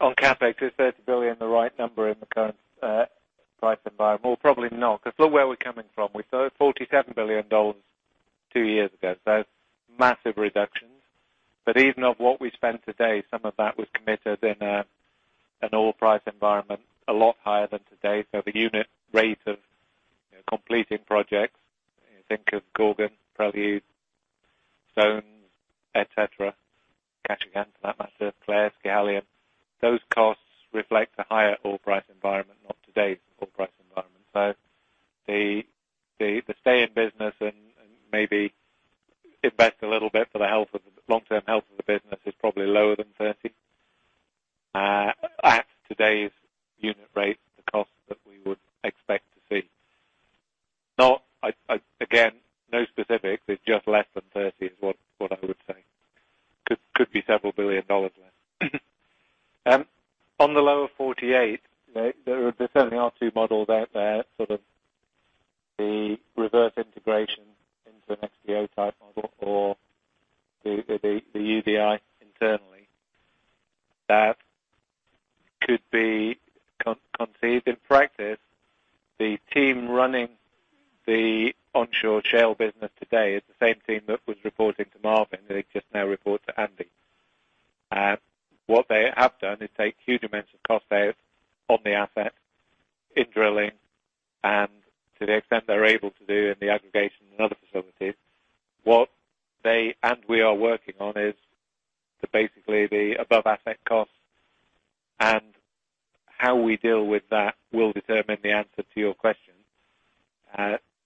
S1: CapEx, is $30 billion the right number in the current price environment? Well, probably not, because look where we're coming from. We spent $47 billion two years ago, so massive reductions. Even of what we spent today, some of that was committed in an oil price environment a lot higher than today. The unit rate of completing projects, think of Gorgon, Prelude, Stones, et cetera. Kashagan for that matter, Clair, Schiehallion. Those costs reflect a higher oil price environment, not today's oil price environment. The stay in business and maybe invest a little bit for the long-term health of the business is probably lower than $30. At today's unit rate, the costs that we would expect to see. Again, no specifics, it's just less than $30 is what I would say. Could be several billion dollars less. On the Lower 48, there certainly are two models out there, sort of the reverse integration into an XTO type model or the UBI internally. That could be conceived in practice. The team running the onshore shale business today is the same team that was reporting to Marvin. They just now report to Andy. What they have done is take huge amounts of cost out on the asset in drilling and to the extent they're able to do in the aggregation and other facilities. What they and we are working on is basically the above asset costs, and how we deal with that will determine the answer to your question.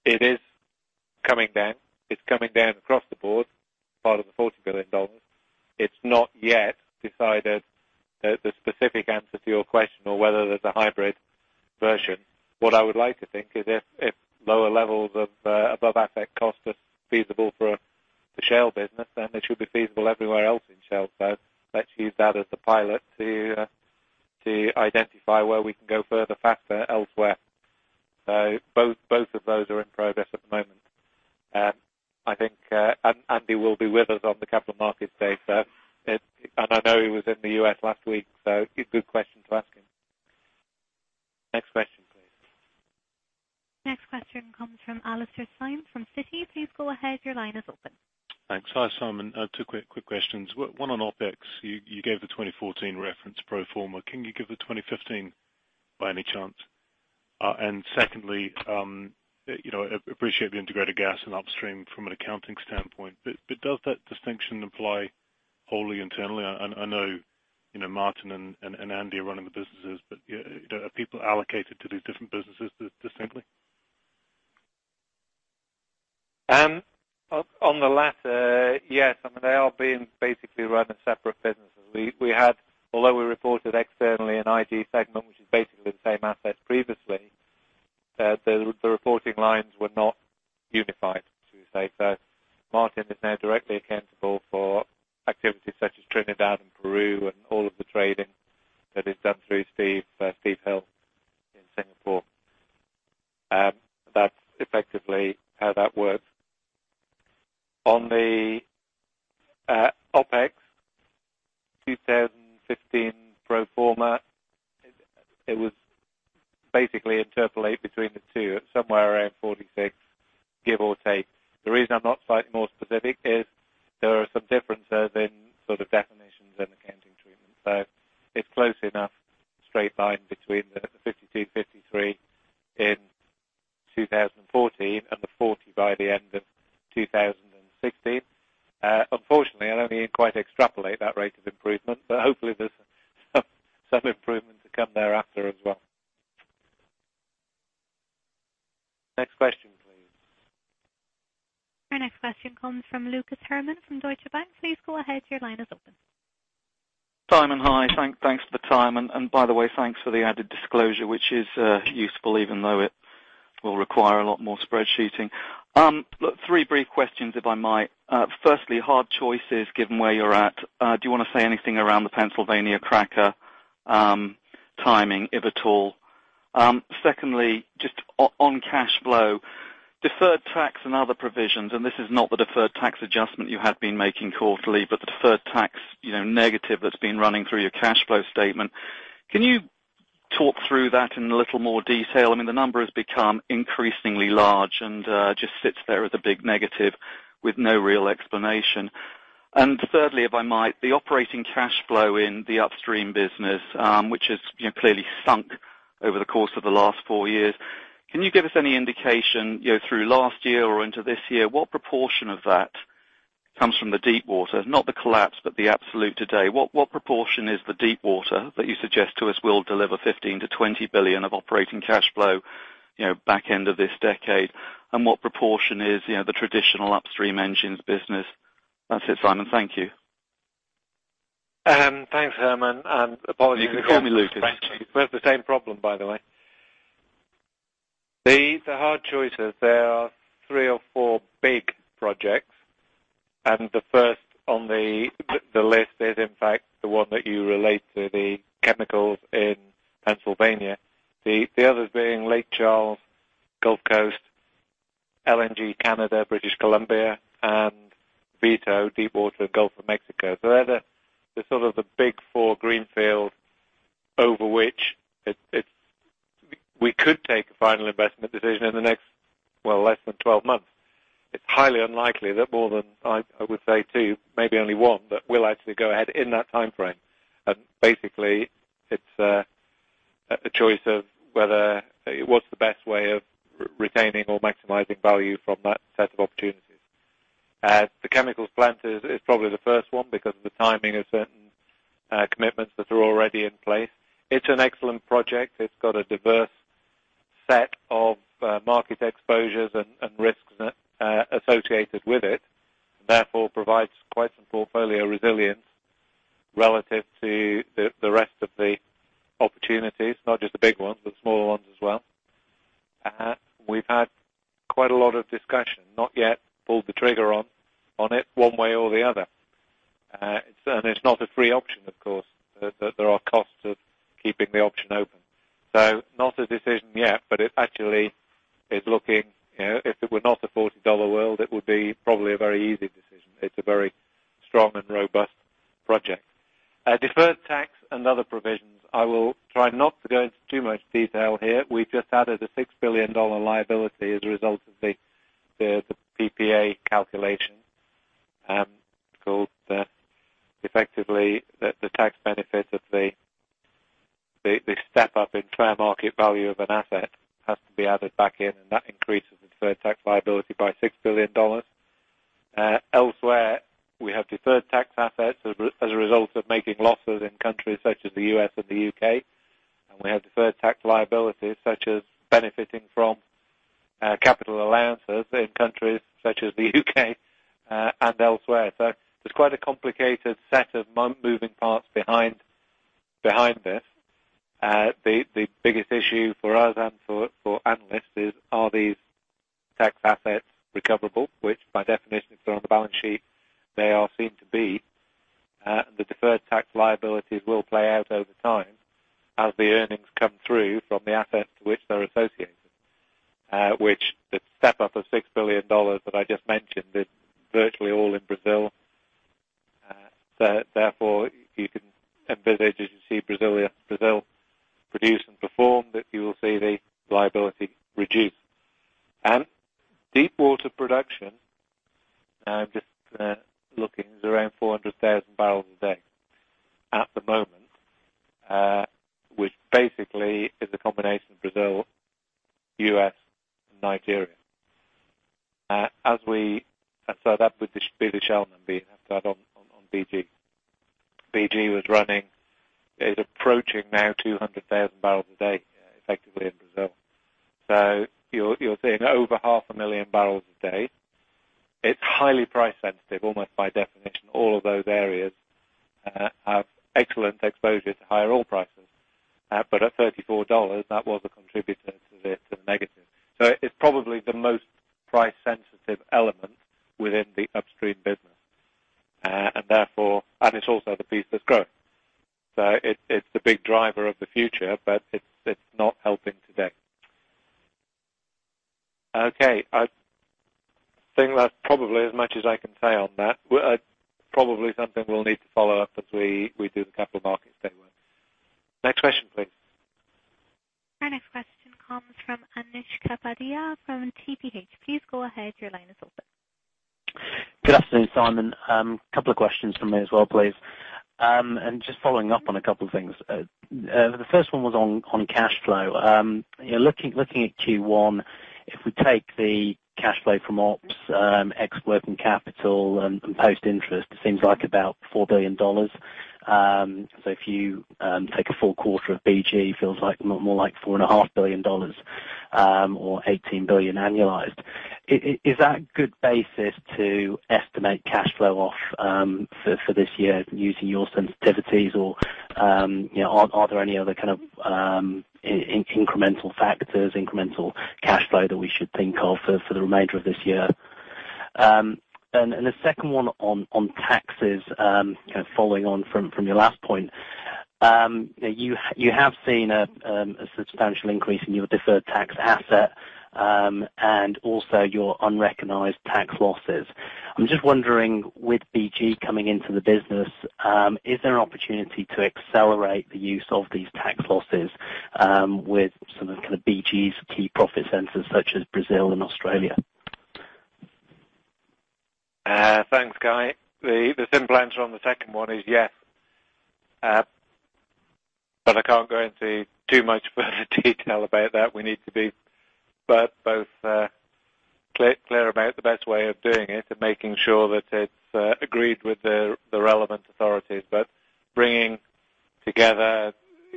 S1: It is coming down. It's coming down across the board, part of the $40 billion. It's not yet decided the specific answer to your question or whether there's a hybrid version. What I would like to think is if lower levels of above asset costs are feasible for the shale business, then they should be feasible everywhere else in Shell. Let's use that as the pilot to identify where we can go further, faster elsewhere. Both of those are in progress at the moment. I think Andy will be with us on the capital markets day, and I know he was in the U.S. last week, so it's a good question to ask him. Next question, please.
S2: Next question comes from Alastair Syme, from Citi. Please go ahead. Your line is open.
S11: Thanks. Hi, Simon. Two quick questions. One on OpEx. You gave the 2014 reference pro forma. Can you give the 2015, by any chance? Secondly, appreciate the integrated gas and upstream from an accounting standpoint, but does that distinction apply wholly internally? I know Martin and Andy are running the businesses, but are people allocated to these different businesses distinctly?
S1: On the latter, yes. I mean, they are being basically run as separate businesses. Although we reported externally an IG segment, which is basically the same asset previously, the reporting lines were not unified, so to say. Martin is now directly accountable for activities such as Trinidad and Peru and all of the trading that is done through Steve Hill in Singapore. That's effectively how that works. On the OpEx 2015 pro forma, it was basically interpolate between the two at somewhere around $46, give or take. The reason I'm not slightly more specific is there are some differences in definitions and accounting treatment. It's close enough, straight line between the $52, $53 in 2014 and the $40 by the end of 2016. Unfortunately, I don't think you can quite extrapolate that rate of improvement, but hopefully there's some improvement to come thereafter as well. Next question, please.
S2: Our next question comes from Lucas Herrmann from Deutsche Bank. Please go ahead. Your line is open.
S12: Simon, hi. Thanks for the time, and by the way, thanks for the added disclosure, which is useful, even though it will require a lot more spreadsheeting. Three brief questions, if I might. Firstly, hard choices, given where you're at. Do you want to say anything around the Pennsylvania cracker timing, if at all? Secondly, just on cash flow, deferred tax and other provisions, and this is not the deferred tax adjustment you had been making quarterly, but the deferred tax negative that's been running through your cash flow statement. Can you talk through that in a little more detail? The number has become increasingly large and just sits there as a big negative with no real explanation. Thirdly, if I might, the operating cash flow in the upstream business, which has clearly sunk over the course of the last four years. Can you give us any indication, through last year or into this year, what proportion of that comes from the deepwater? Not the collapse, but the absolute today. What proportion is the deepwater that you suggest to us will deliver $15 billion-$20 billion of operating cash flow, back end of this decade? What proportion is the traditional upstream engines business? That's it, Simon. Thank you.
S1: Thanks, Herrmann. Apologies-
S12: You can call me Lucas.
S1: We have the same problem, by the way. The hard choices, there are three or four big projects. The first on the list is, in fact, the one that you relate to, the chemicals in Pennsylvania. The others being Lake Charles, Gulf Coast, LNG Canada, British Columbia, and Vito Deepwater, Gulf of Mexico. They're the sort of the big four greenfields over which we could take a final investment decision in the next, well, less than 12 months. It's highly unlikely that more than, I would say, two, maybe only one, that will actually go ahead in that timeframe. Basically, it's a choice of what's the best way of retaining or maximizing value from that set of opportunities. The chemicals plant is probably the first one because of the timing of certain commitments that are already in place. It's an excellent project. It's got a diverse set of market exposures and risks associated with it, therefore provides quite some portfolio resilience relative to the rest of the opportunities. Not just the big ones, but the small ones as well. We've had quite a lot of discussion. Not yet pulled the trigger on it one way or the other. It's not a free option, of course. There are costs of keeping the option open. Not a decision yet, but it actually is looking, if it were not a $40 world, it would be probably a very easy decision. It's a very strong and robust project. Deferred tax and other provisions. I will try not to go into too much detail here. We just added a $6 billion liability as a result of the PPA calculation. Effectively, the tax benefit of the step-up in fair market value of an asset has to be added back in, and that increases the deferred tax liability by $6 billion. Elsewhere, we have deferred tax assets as a result of making losses in countries such as the U.S. and the U.K. We have deferred tax liabilities, such as benefiting from capital allowances in countries such as the U.K. and elsewhere. There's quite a complicated set of moving parts behind this. The biggest issue for us and for analysts is, are these tax assets recoverable? Which by definition, if they're on the balance sheet, they are seen to be. The deferred tax liabilities will play out over time as the earnings come through from the assets to which they're associated. Which the step up of $6 billion that I just mentioned is virtually all in Brazil. Therefore, you can envisage, as you see Brazil produce and perform, that you will see the liability reduce. Deepwater production, I'm just looking. It's around 400,000 barrels a day at the moment, which basically is a combination of Brazil, U.S., and Nigeria. That would be the Shell number. You can have that on BG. BG is approaching now 200,000 barrels a day, effectively in Brazil. You're seeing over half a million barrels a day. It's highly price sensitive. Almost by definition, all of those areas have excellent exposure to higher oil prices. At $34, that was a contributor to the negative. It's probably the most price-sensitive element within the upstream business. Therefore, it's also the piece that's grown. It's the big driver of the future, but it's not helping today. Okay. I think that's probably as much as I can say on that. Probably something we'll need to follow up as we do the capital markets day work. Next question, please.
S2: Our next question comes from Anish Kapadia from TPH. Please go ahead, your line is open.
S13: Good afternoon, Simon. Couple of questions from me as well, please. Just following up on a couple of things. The first one was on cash flow. Looking at Q1, if we take the cash flow from ops, ex-working capital, and post interest, it seems like about $4 billion. If you take a full quarter of BG, feels more like $4.5 billion, or $18 billion annualized. Is that a good basis to estimate cash flow off for this year using your sensitivities or are there any other kind of incremental factors, incremental cash flow that we should think of for the remainder of this year? The second one on taxes, following on from your last point. You have seen a substantial increase in your deferred tax asset, and also your unrecognized tax losses. I'm just wondering, with BG coming into the business, is there an opportunity to accelerate the use of these tax losses with some of BG's key profit centers such as Brazil and Australia?
S1: Thanks, Guy. The simple answer on the second one is yes. I can't go into too much further detail about that. We need to be both clear about the best way of doing it and making sure that it's agreed with the relevant authorities. Bringing together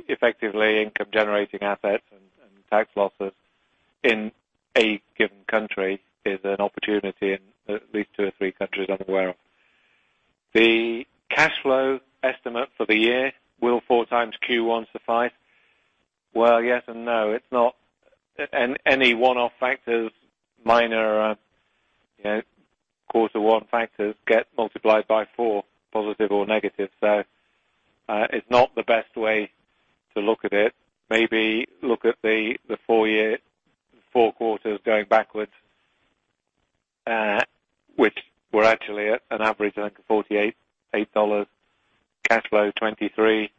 S1: effectively income-generating assets and tax losses in a given country is an opportunity in at least two or three countries I'm aware of. The cash flow estimate for the year, will four times Q1 suffice? Well, yes and no. It's not any one-off factors, minor Q1 factors get multiplied by four, positive or negative. It's not the best way to look at it. Maybe look at the four quarters going backwards, which were actually at an average of $48 cash flow 23.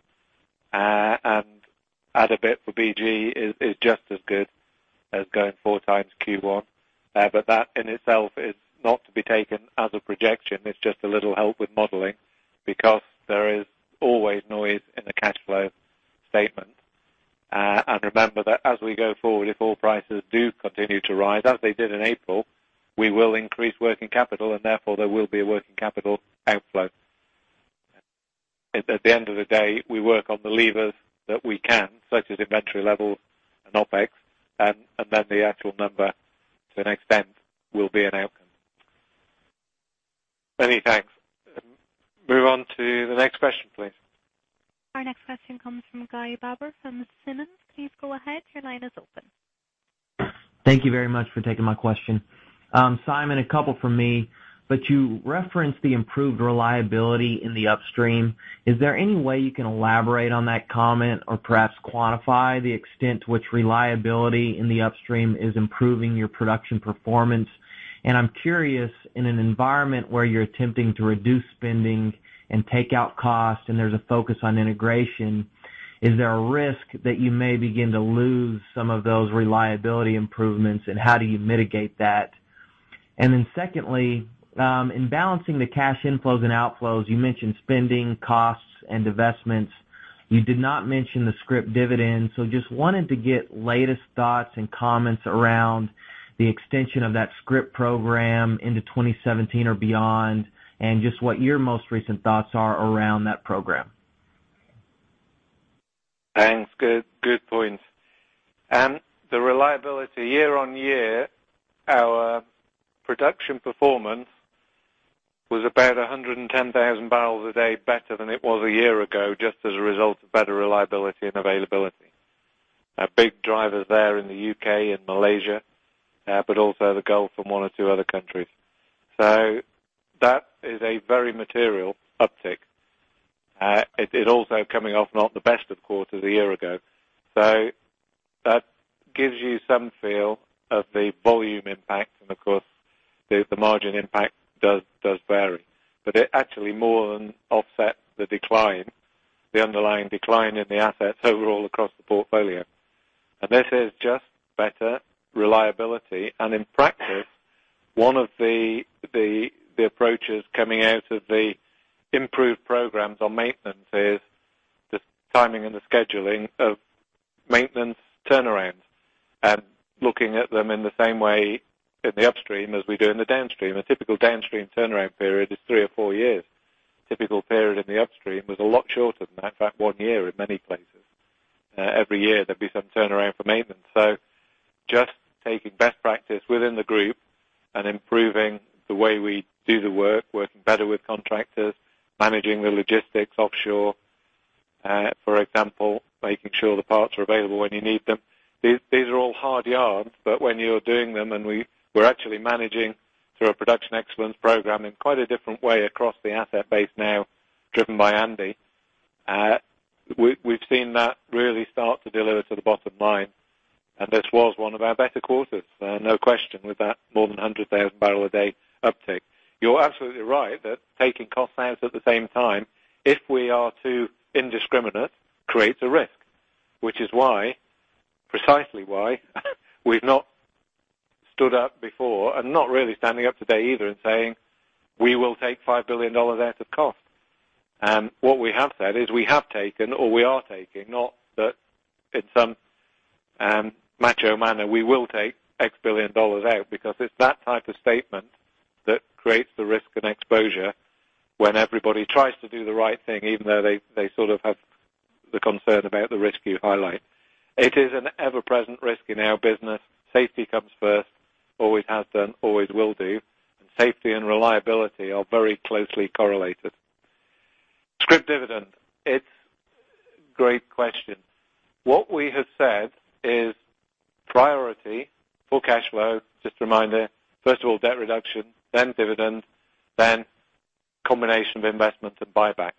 S1: Add a bit for BG is just as good as going four times Q1. That in itself is not to be taken as a projection. It is just a little help with modeling because there is always noise in the cash flow statement. Remember that as we go forward, if oil prices do continue to rise as they did in April, we will increase working capital and therefore there will be a working capital outflow. At the end of the day, we work on the levers that we can, such as inventory levels and OpEx, then the actual number, to an extent, will be an outcome. Many thanks. Move on to the next question, please.
S2: Our next question comes from Guy Baber from Simmons. Please go ahead. Your line is open.
S14: Thank you very much for taking my question. Simon, a couple from me. You referenced the improved reliability in the upstream. Is there any way you can elaborate on that comment or perhaps quantify the extent to which reliability in the upstream is improving your production performance? I am curious, in an environment where you are attempting to reduce spending and take out costs and there is a focus on integration, is there a risk that you may begin to lose some of those reliability improvements, and how do you mitigate that? Secondly, in balancing the cash inflows and outflows, you mentioned spending costs and divestments. You did not mention the scrip dividend. Just wanted to get latest thoughts and comments around the extension of that scrip program into 2017 or beyond, and just what your most recent thoughts are around that program.
S1: Thanks. Good point. The reliability year-on-year, our production performance was about 110,000 barrels a day better than it was a year ago just as a result of better reliability and availability. Our big drivers there in the U.K. and Malaysia, but also the Gulf and one or two other countries. That is a very material uptick. It also coming off not the best of quarters a year ago. That gives you some feel of the volume impact. Of course, the margin impact does vary. It actually more than offsets the decline, the underlying decline in the assets overall across the portfolio. This is just better reliability. In practice, one of the approaches coming out of the improved programs on maintenance is the timing and the scheduling of maintenance turnarounds. Looking at them in the same way in the upstream as we do in the downstream. A typical downstream turnaround period is three or four years. Typical period in the upstream was a lot shorter than that, in fact, one year in many places. Every year there'd be some turnaround for maintenance. Just taking best practice within the group and improving the way we do the work, working better with contractors, managing the logistics offshore, for example, making sure the parts are available when you need them. These are all hard yards, but when you're doing them, and we're actually managing through a production excellence program in quite a different way across the asset base now driven by Andy. We've seen that really start to deliver to the bottom line, and this was one of our better quarters, no question, with that more than 100,000 barrel a day uptick. You're absolutely right that taking costs out at the same time, if we are too indiscriminate, creates a risk, which is precisely why we've not stood up before and not really standing up today either and saying, "We will take $5 billion out of cost." What we have said is we have taken or we are taking, not that in some macho manner, we will take X billion dollars out because it's that type of statement that creates the risk and exposure when everybody tries to do the right thing even though they sort of have the concern about the risk you highlight. It is an ever-present risk in our business. Safety comes first, always has done, always will do. Safety and reliability are very closely correlated. Scrip dividend. It's great question. What we have said is priority for cash flow, just a reminder, first of all, debt reduction, then dividend, then combination of investments and buybacks.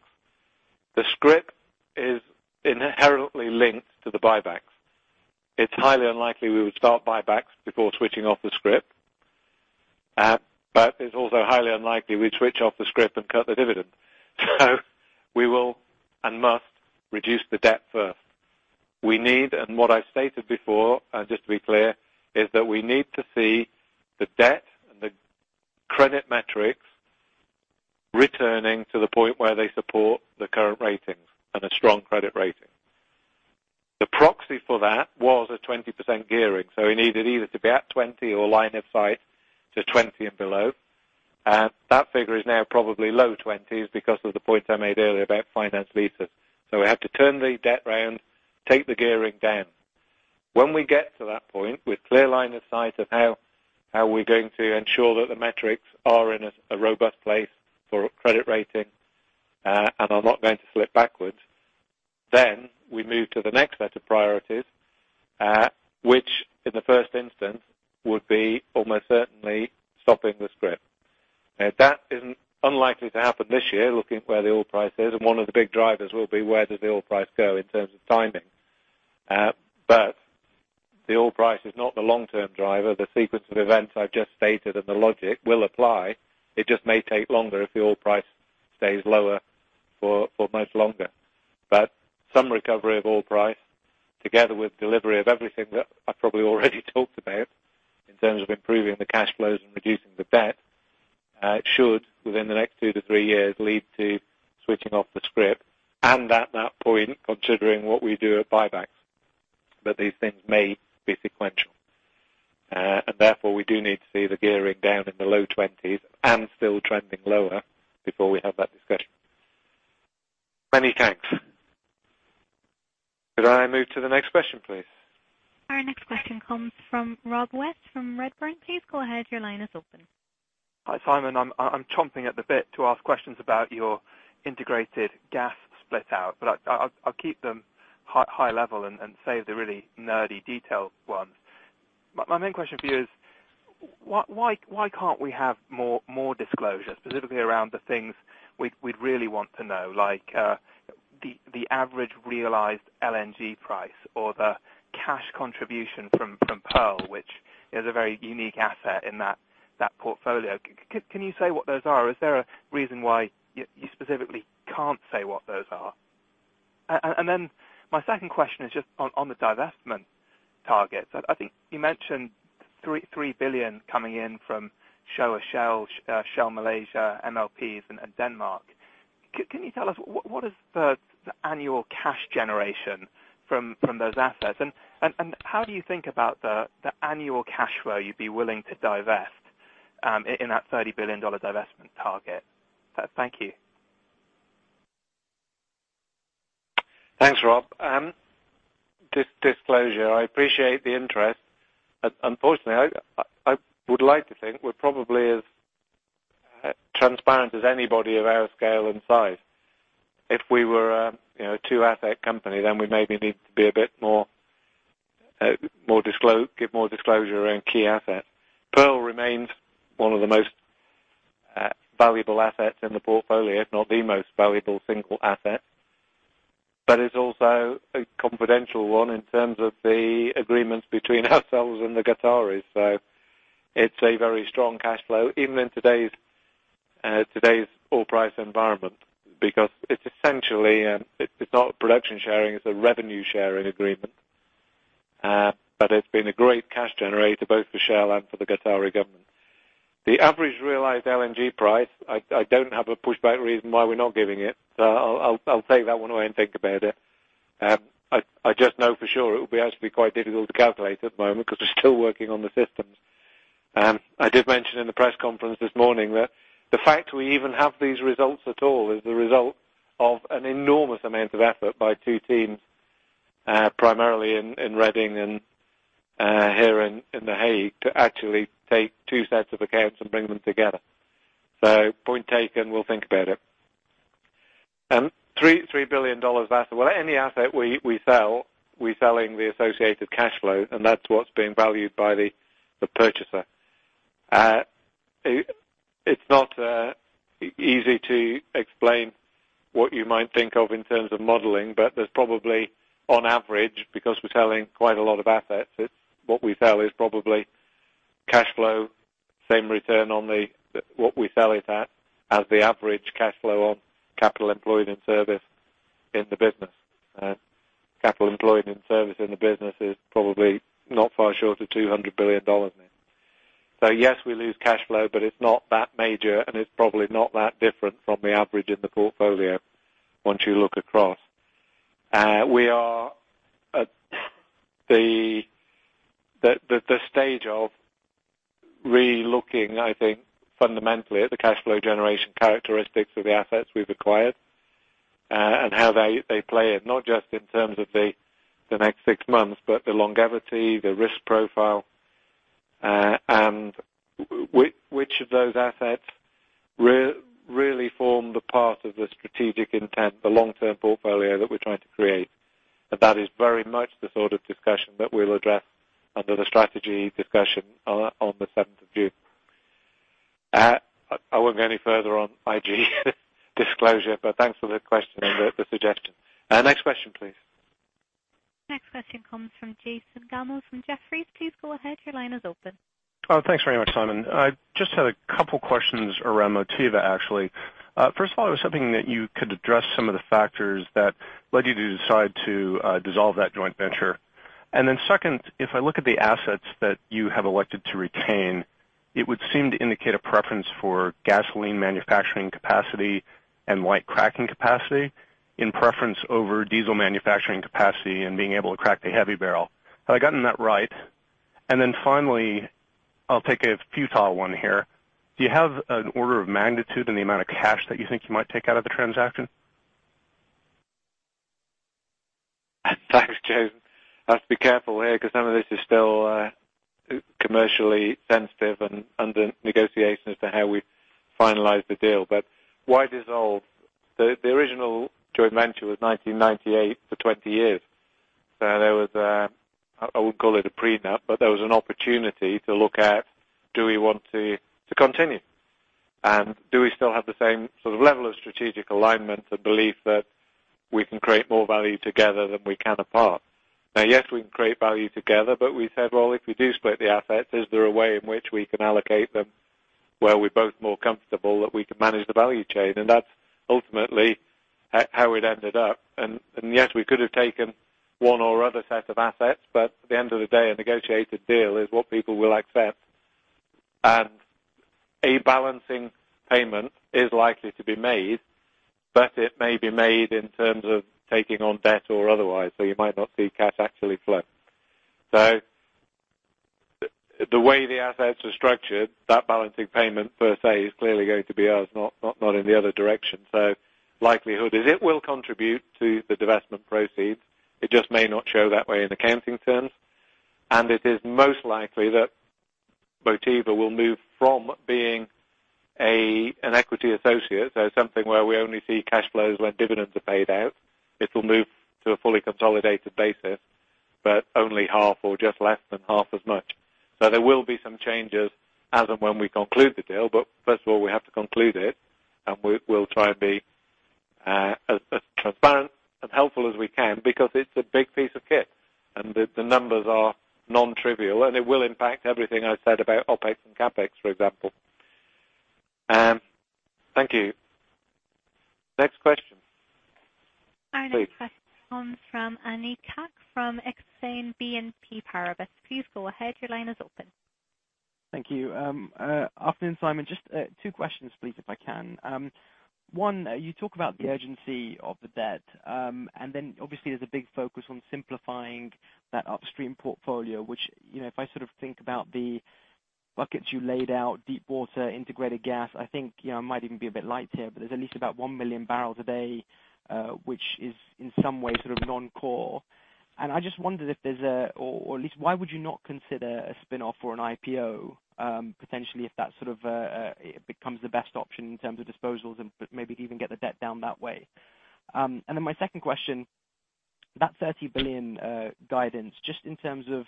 S1: The scrip is inherently linked to the buybacks. It's highly unlikely we would start buybacks before switching off the scrip. It's also highly unlikely we'd switch off the scrip and cut the dividend. We will and must reduce the debt first. We need, and what I stated before, just to be clear, is that we need to see the debt and the credit metrics returning to the point where they support the current ratings and a strong credit rating. The proxy for that was a 20% gearing. We needed either to be at 20 or line of sight to 20 and below. That figure is now probably low twenties because of the point I made earlier about finance leases. We have to turn the debt around, take the gearing down. When we get to that point with clear line of sight of how are we going to ensure that the metrics are in a robust place for a credit rating, and are not going to slip backwards, then we move to the next set of priorities, which in the first instance, would be almost certainly stopping the scrip. That is unlikely to happen this year, looking at where the oil price is, and one of the big drivers will be where does the oil price go in terms of timing. The oil price is not the long-term driver. The sequence of events I've just stated and the logic will apply. It just may take longer if the oil price stays lower for much longer. Some recovery of oil price, together with delivery of everything that I probably already talked about in terms of improving the cash flows and reducing the debt, should, within the next two to three years, lead to switching off the scrip. At that point, considering what we do at buybacks. These things may be sequential. Therefore, we do need to see the gearing down in the low 20s and still trending lower before we have that discussion. Many thanks. Could I move to the next question, please?
S2: Our next question comes from Rob West at Redburn. Please go ahead. Your line is open.
S15: Hi, Simon. I'm chomping at the bit to ask questions about your integrated gas split out, I'll keep them high level and save the really nerdy detail ones. My main question for you is why can't we have more disclosures, specifically around the things we'd really want to know? Like the average realized LNG price or the cash contribution from Pearl, which is a very unique asset in that portfolio. Can you say what those are? Is there a reason why you specifically can't say what those are? Then my second question is just on the divestment targets. I think you mentioned $3 billion coming in from Shell Malaysia, MLPs, and Denmark. Can you tell us what is the annual cash generation from those assets? How do you think about the annual cash flow you'd be willing to divest in that $30 billion divestment target? Thank you.
S1: Thanks, Rob. Disclosure, I appreciate the interest. I would like to think we're probably as transparent as anybody of our scale and size. If we were a two-asset company, then we maybe need to give more disclosure around key assets. Pearl remains one of the most valuable assets in the portfolio, if not the most valuable single asset. It's also a confidential one in terms of the agreements between ourselves and the Qataris. It's a very strong cash flow, even in today's oil price environment. Because it's essentially, it's not production sharing, it's a revenue-sharing agreement. It's been a great cash generator both for Shell and for the Qatari government. The average realized LNG price, I don't have a pushback reason why we're not giving it. I'll take that one away and think about it. I just know for sure it will be actually quite difficult to calculate at the moment because we're still working on the systems. I did mention in the press conference this morning that the fact we even have these results at all is the result of an enormous amount of effort by two teams Primarily in Reading and here in The Hague to actually take two sets of accounts and bring them together. Point taken, we'll think about it. $3 billion asset. Well, any asset we sell, we're selling the associated cash flow, and that's what's being valued by the purchaser. It's not easy to explain what you might think of in terms of modeling, there's probably, on average, because we're selling quite a lot of assets, what we sell is probably cash flow, same return on what we sell it at as the average cash flow on capital employed in service in the business. Capital employed in service in the business is probably not far short of $200 billion. Yes, we lose cash flow, it's not that major, it's probably not that different from the average in the portfolio once you look across. We are at the stage of re-looking, I think, fundamentally, at the cash flow generation characteristics of the assets we've acquired and how they play in, not just in terms of the next six months, but the longevity, the risk profile, and which of those assets really form the part of the strategic intent, the long-term portfolio that we're trying to create. That is very much the sort of discussion that we'll address under the strategy discussion on the 7th of June. I won't go any further on IG disclosure, thanks for the question and the suggestion. Next question, please.
S2: Next question comes from Jason Gammel from Jefferies. Please go ahead. Your line is open.
S16: Thanks very much, Simon. I just had a couple questions around Motiva, actually. First of all, it was hoping that you could address some of the factors that led you to decide to dissolve that joint venture. Second, if I look at the assets that you have elected to retain, it would seem to indicate a preference for gasoline manufacturing capacity and light cracking capacity in preference over diesel manufacturing capacity and being able to crack the heavy barrel. Have I gotten that right? Finally, I'll take a futile one here. Do you have an order of magnitude in the amount of cash that you think you might take out of the transaction?
S1: Thanks, Jason. I have to be careful here because some of this is still commercially sensitive and under negotiation as to how we finalize the deal. Why dissolve? The original joint venture was 1998 for 20 years. There was a, I would call it a prenup, but there was an opportunity to look at do we want to continue? Do we still have the same sort of level of strategic alignment to believe that we can create more value together than we can apart? Yes, we can create value together, but we said, well, if we do split the assets, is there a way in which we can allocate them where we're both more comfortable that we can manage the value chain? That's ultimately how it ended up. Yes, we could have taken one or other set of assets, but at the end of the day, a negotiated deal is what people will accept. A balancing payment is likely to be made, but it may be made in terms of taking on debt or otherwise, you might not see cash actually flow. The way the assets are structured, that balancing payment, per se, is clearly going to be ours, not in the other direction. Likelihood is it will contribute to the divestment proceeds. It just may not show that way in accounting terms. It is most likely that Motiva will move from being an equity associate. Something where we only see cash flows when dividends are paid out. It will move to a fully consolidated basis, but only half or just less than half as much. There will be some changes as and when we conclude the deal. First of all, we have to conclude it, and we'll try and be as transparent and helpful as we can because it's a big piece of kit and the numbers are non-trivial, and it will impact everything I said about OpEx and CapEx, for example. Thank you. Next question. Please.
S2: Our next question comes from Anik Ghosh from Exane BNP Paribas. Please go ahead. Your line is open.
S17: Thank you. Afternoon, Simon. Just two questions please, if I can. One, you talk about the urgency of the debt. Obviously there's a big focus on simplifying that upstream portfolio, which if I think about the buckets you laid out, deepwater, integrated gas, I think I might even be a bit light here, but there's at least about 1 million barrels a day, which is in some way sort of non-core. I just wondered, or at least why would you not consider a spin-off or an IPO, potentially if that becomes the best option in terms of disposals and maybe even get the debt down that way? My second question, that $30 billion guidance, just in terms of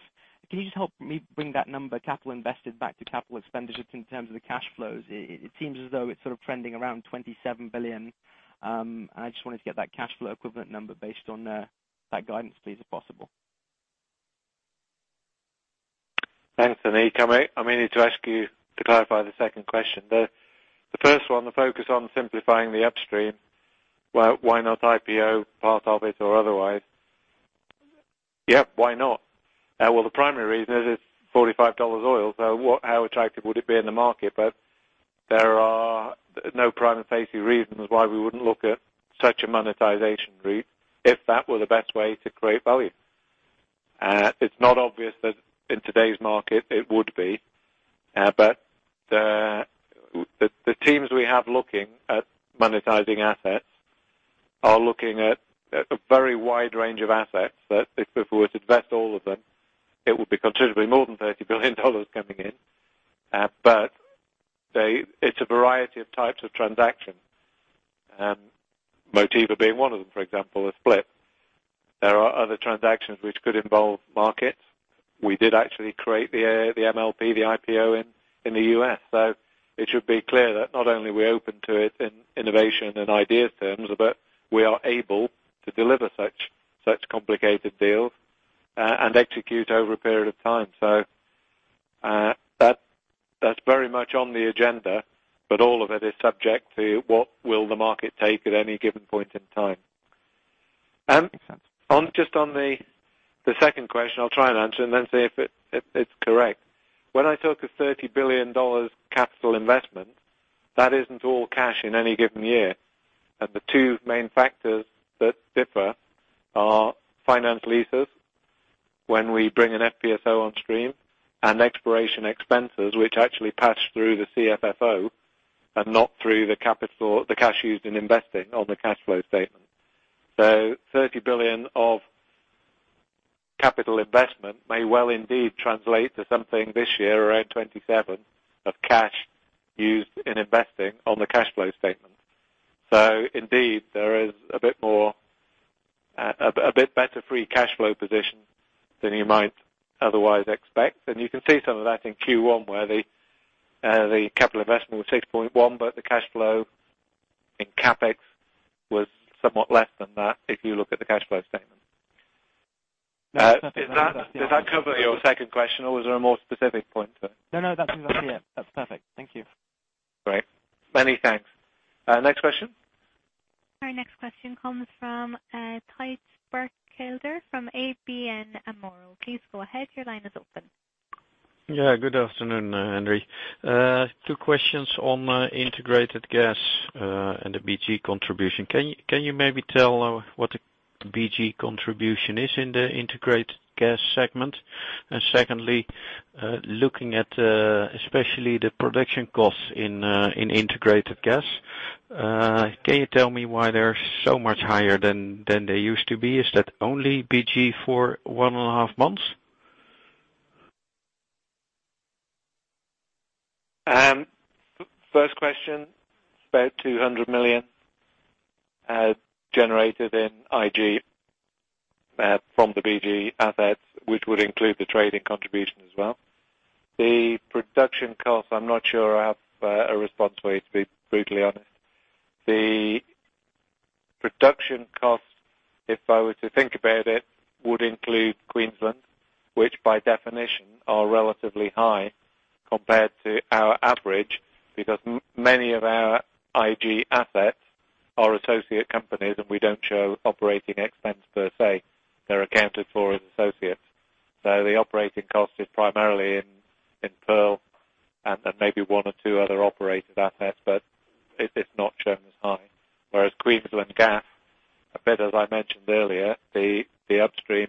S17: can you just help me bring that number capital invested back to capital expenditures in terms of the cash flows? It seems as though it's sort of trending around 27 billion. I just wanted to get that cash flow equivalent number based on that guidance, please, if possible.
S1: Thanks, Anik. I may need to ask you to clarify the second question. The first one, the focus on simplifying the upstream. Why not IPO part of it or otherwise? Yes. Why not? The primary reason is it's $45 oil. How attractive would it be in the market? There are no prima facie reasons why we wouldn't look at such a monetization route if that were the best way to create value. It's not obvious that in today's market it would be. The teams we have looking at monetizing assets are looking at a very wide range of assets that if we were to divest all of them, it would be considerably more than $30 billion coming in. It's a variety of types of transactions. Motiva being one of them, for example, a split. There are other transactions which could involve markets. We did actually create the MLP, the IPO in the U.S. It should be clear that not only are we open to it in innovation and idea terms, but we are able to deliver such complicated deals, and execute over a period of time. That's very much on the agenda, but all of it is subject to what will the market take at any given point in time.
S17: Makes sense.
S1: Just on the second question, I'll try and answer and then see if it's correct. When I talk of $30 billion capital investment, that isn't all cash in any given year. The two main factors that differ are finance leases. When we bring an FPSO onstream, exploration expenses, which actually pass through the CFFO, and not through the cash used in investing on the cash flow statement. $30 billion of capital investment may well indeed translate to something this year around $27 billion of cash used in investing on the cash flow statement. Indeed, there is a bit better free cash flow position than you might otherwise expect. You can see some of that in Q1 where the capital investment was $6.1 billion, but the cash flow in CapEx was somewhat less than that, if you look at the cash flow statement. Does that cover your second question, or was there a more specific point to it?
S17: No, that's exactly it. That's perfect. Thank you.
S1: Great. Many thanks. Next question.
S2: Our next question comes from Tjibbe Berkelder from ABN AMRO. Please go ahead. Your line is open.
S18: Yeah. Good afternoon, Henry. Two questions on Integrated Gas and the BG contribution. Can you maybe tell what the BG contribution is in the Integrated Gas segment? Secondly, looking at especially the production costs in Integrated Gas, can you tell me why they're so much higher than they used to be? Is that only BG for one and a half months?
S1: First question, about $200 million generated in IG from the BG assets, which would include the trading contribution as well. The production cost, I'm not sure I have a response for you, to be brutally honest. The production cost, if I were to think about it, would include Queensland, which by definition are relatively high compared to our average because many of our Integrated Gas assets are associate companies, and we don't show operating expense per se. They're accounted for as associates. The operating cost is primarily in Pearl and then maybe one or two other operated assets, but it's not shown as high. Whereas Queensland Gas, a bit as I mentioned earlier, the Upstream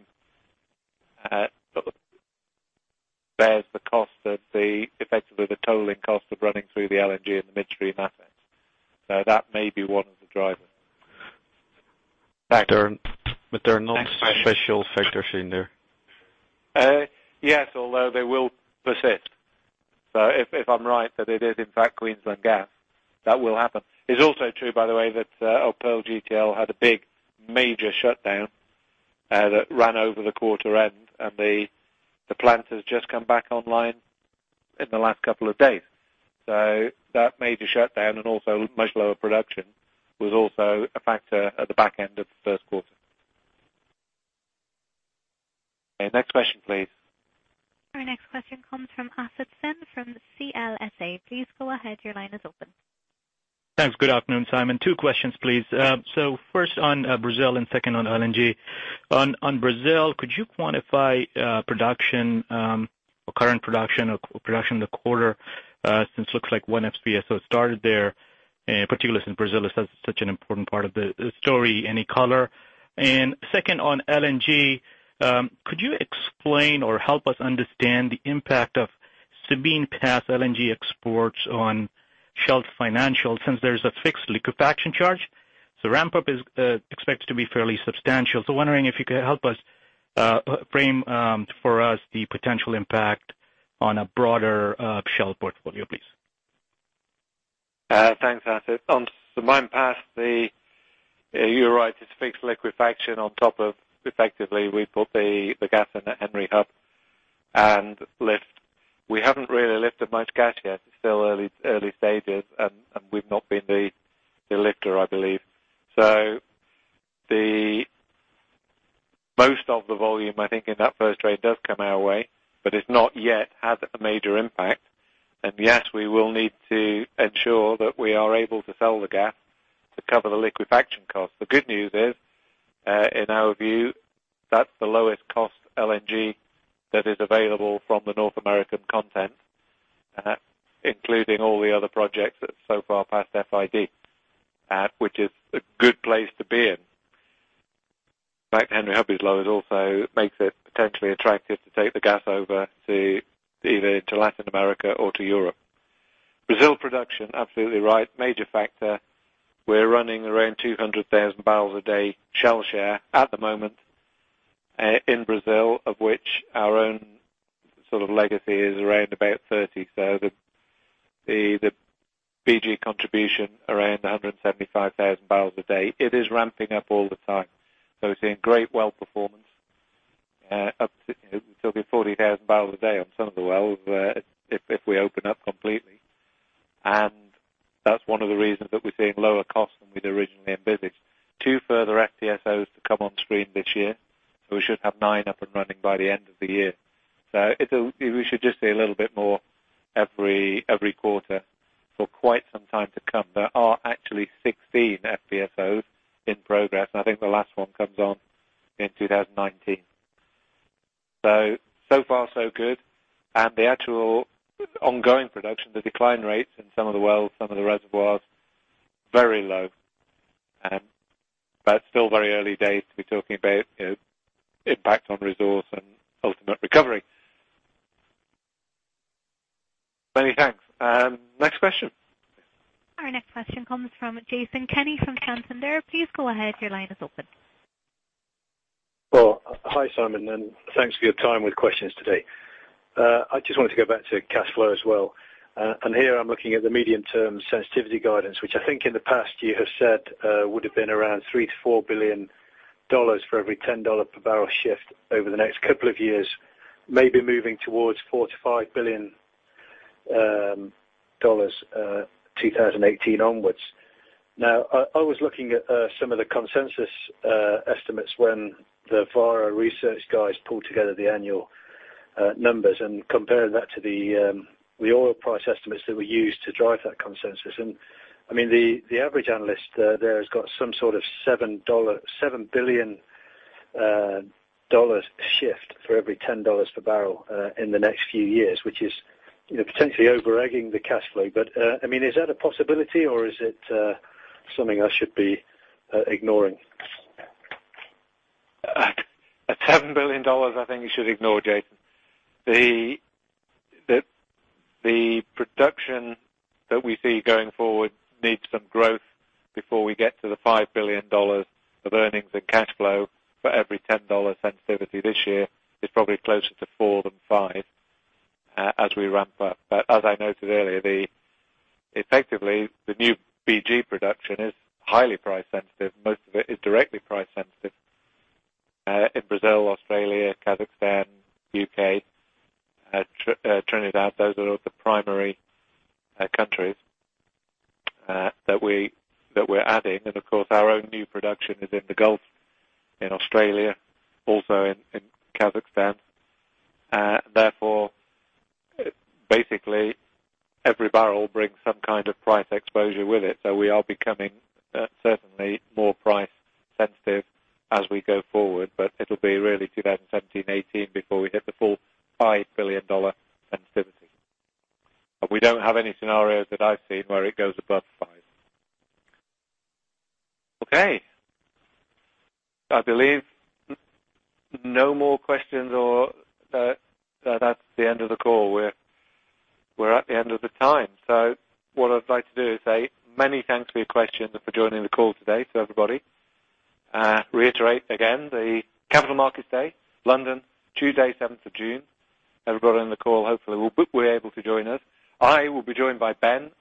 S1: bears the cost of effectively the tolling cost of running through the LNG and the midstream assets. That may be one of the drivers.
S18: There are no special factors in there?
S1: Yes, although they will persist. If I'm right that it is in fact Queensland Gas, that will happen. It's also true, by the way, that Pearl GTL had a big major shutdown that ran over the quarter end, and the plant has just come back online in the last couple of days. That major shutdown and also much lower production was also a factor at the back end of the first quarter. Okay, next question, please.
S2: Our next question comes from Asit Sen from CLSA. Please go ahead. Your line is open.
S19: Thanks. Good afternoon, Simon. Two questions, please. First on Brazil and second on LNG. On Brazil, could you quantify production, or current production or production in the quarter? Since it looks like one FPSO started there, particularly since Brazil is such an important part of the story. Any color? Second on LNG, could you explain or help us understand the impact of Sabine Pass LNG exports on Shell's financials since there's a fixed liquefaction charge? Ramp-up is expected to be fairly substantial. Wondering if you could help us frame for us the potential impact on a broader Shell portfolio, please.
S1: Thanks, Asit. On Sabine Pass, you're right, it's fixed liquefaction on top of effectively we put the gas in the Henry Hub and lift. We haven't really lifted much gas yet. It's still early stages, and we've not been the lifter, I believe. Most of the volume I think in that first trade does come our way, but it's not yet had a major impact. Yes, we will need to ensure that we are able to sell the gas to cover the liquefaction cost. The good news is, in our view, that's the lowest cost LNG that is available from the North American content, including all the other projects that so far passed FID. Which is a good place to be in. In fact, Henry Hub is low, also makes it potentially attractive to take the gas over to either to Latin America or to Europe. Brazil production, absolutely right, major factor. We're running around 200,000 barrels a day Shell share at the moment, in Brazil, of which our own legacy is around about 30,000. The BG contribution around 175,000 barrels a day. It is ramping up all the time. We're seeing great well performance. We're talking 40,000 barrels a day on some of the wells, if we open up completely. That's one of the reasons that we're seeing lower costs than we'd originally envisaged. Two further FPSOs to come on stream this year, we should have nine up and running by the end of the year. We should just see a little bit more every quarter for quite some time to come. There are actually 16 FPSOs in progress. I think the last one comes on in 2019. So far so good. The actual ongoing production, the decline rates in some of the wells, some of the reservoirs, very low. Still very early days to be talking about impact on resource and ultimate recovery. Many thanks. Next question.
S2: Our next question comes from Jason Kenney from Santander. Please go ahead. Your line is open.
S20: Well, hi Simon, thanks for your time with questions today. I just wanted to go back to cash flow as well. Here I'm looking at the medium-term sensitivity guidance, which I think in the past you have said would have been around $3 billion-$4 billion for every $10 per barrel shift over the next couple of years. Maybe moving towards $4 billion-$5 billion 2018 onwards. Now, I was looking at some of the consensus estimates when the Vara Research guys pulled together the annual numbers and comparing that to the oil price estimates that were used to drive that consensus. The average analyst there has got some sort of $7 billion shift for every $10 per barrel, in the next few years, which is potentially over-egging the cash flow. Is that a possibility or is it something I should be ignoring?
S1: At $7 billion, I think you should ignore, Jason. The production that we see going forward needs some growth before we get to the $5 billion of earnings and cash flow for every $10 sensitivity this year. It's probably closer to four than five as we ramp up. As I noted earlier, effectively, the new BG production is highly price sensitive. Most of it is directly price sensitive. In Brazil, Australia, Kazakhstan, U.K., Trinidad, those are the primary countries that we're adding. Of course, our own new production is in the Gulf, in Australia, also in Kazakhstan. Basically, every barrel brings some kind of price exposure with it. We are becoming certainly more price sensitive as we go forward, but it'll be really 2017, 2018 before we hit the full $5 billion sensitivity. We don't have any scenarios that I've seen where it goes above five. Okay. I believe no more questions or that's the end of the call. We're at the end of the time. What I'd like to do is say many thanks for your questions and for joining the call today to everybody. Reiterate again, the Capital Markets Day, London, Tuesday, seventh of June. Everybody on the call hopefully will be able to join us. I will be joined by Ben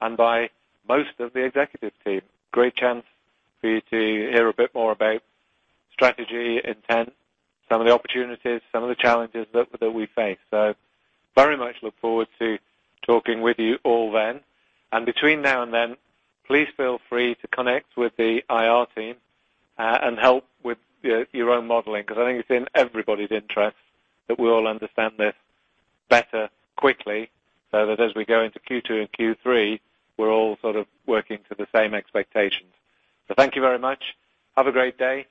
S1: and by most of the executive team. Great chance for you to hear a bit more about strategy intent, some of the opportunities, some of the challenges that we face. Very much look forward to talking with you all then. Between now and then, please feel free to connect with the IR team, and help with your own modeling, because I think it's in everybody's interest that we all understand this better, quickly, so that as we go into Q2 and Q3, we're all sort of working to the same expectations. Thank you very much. Have a great day.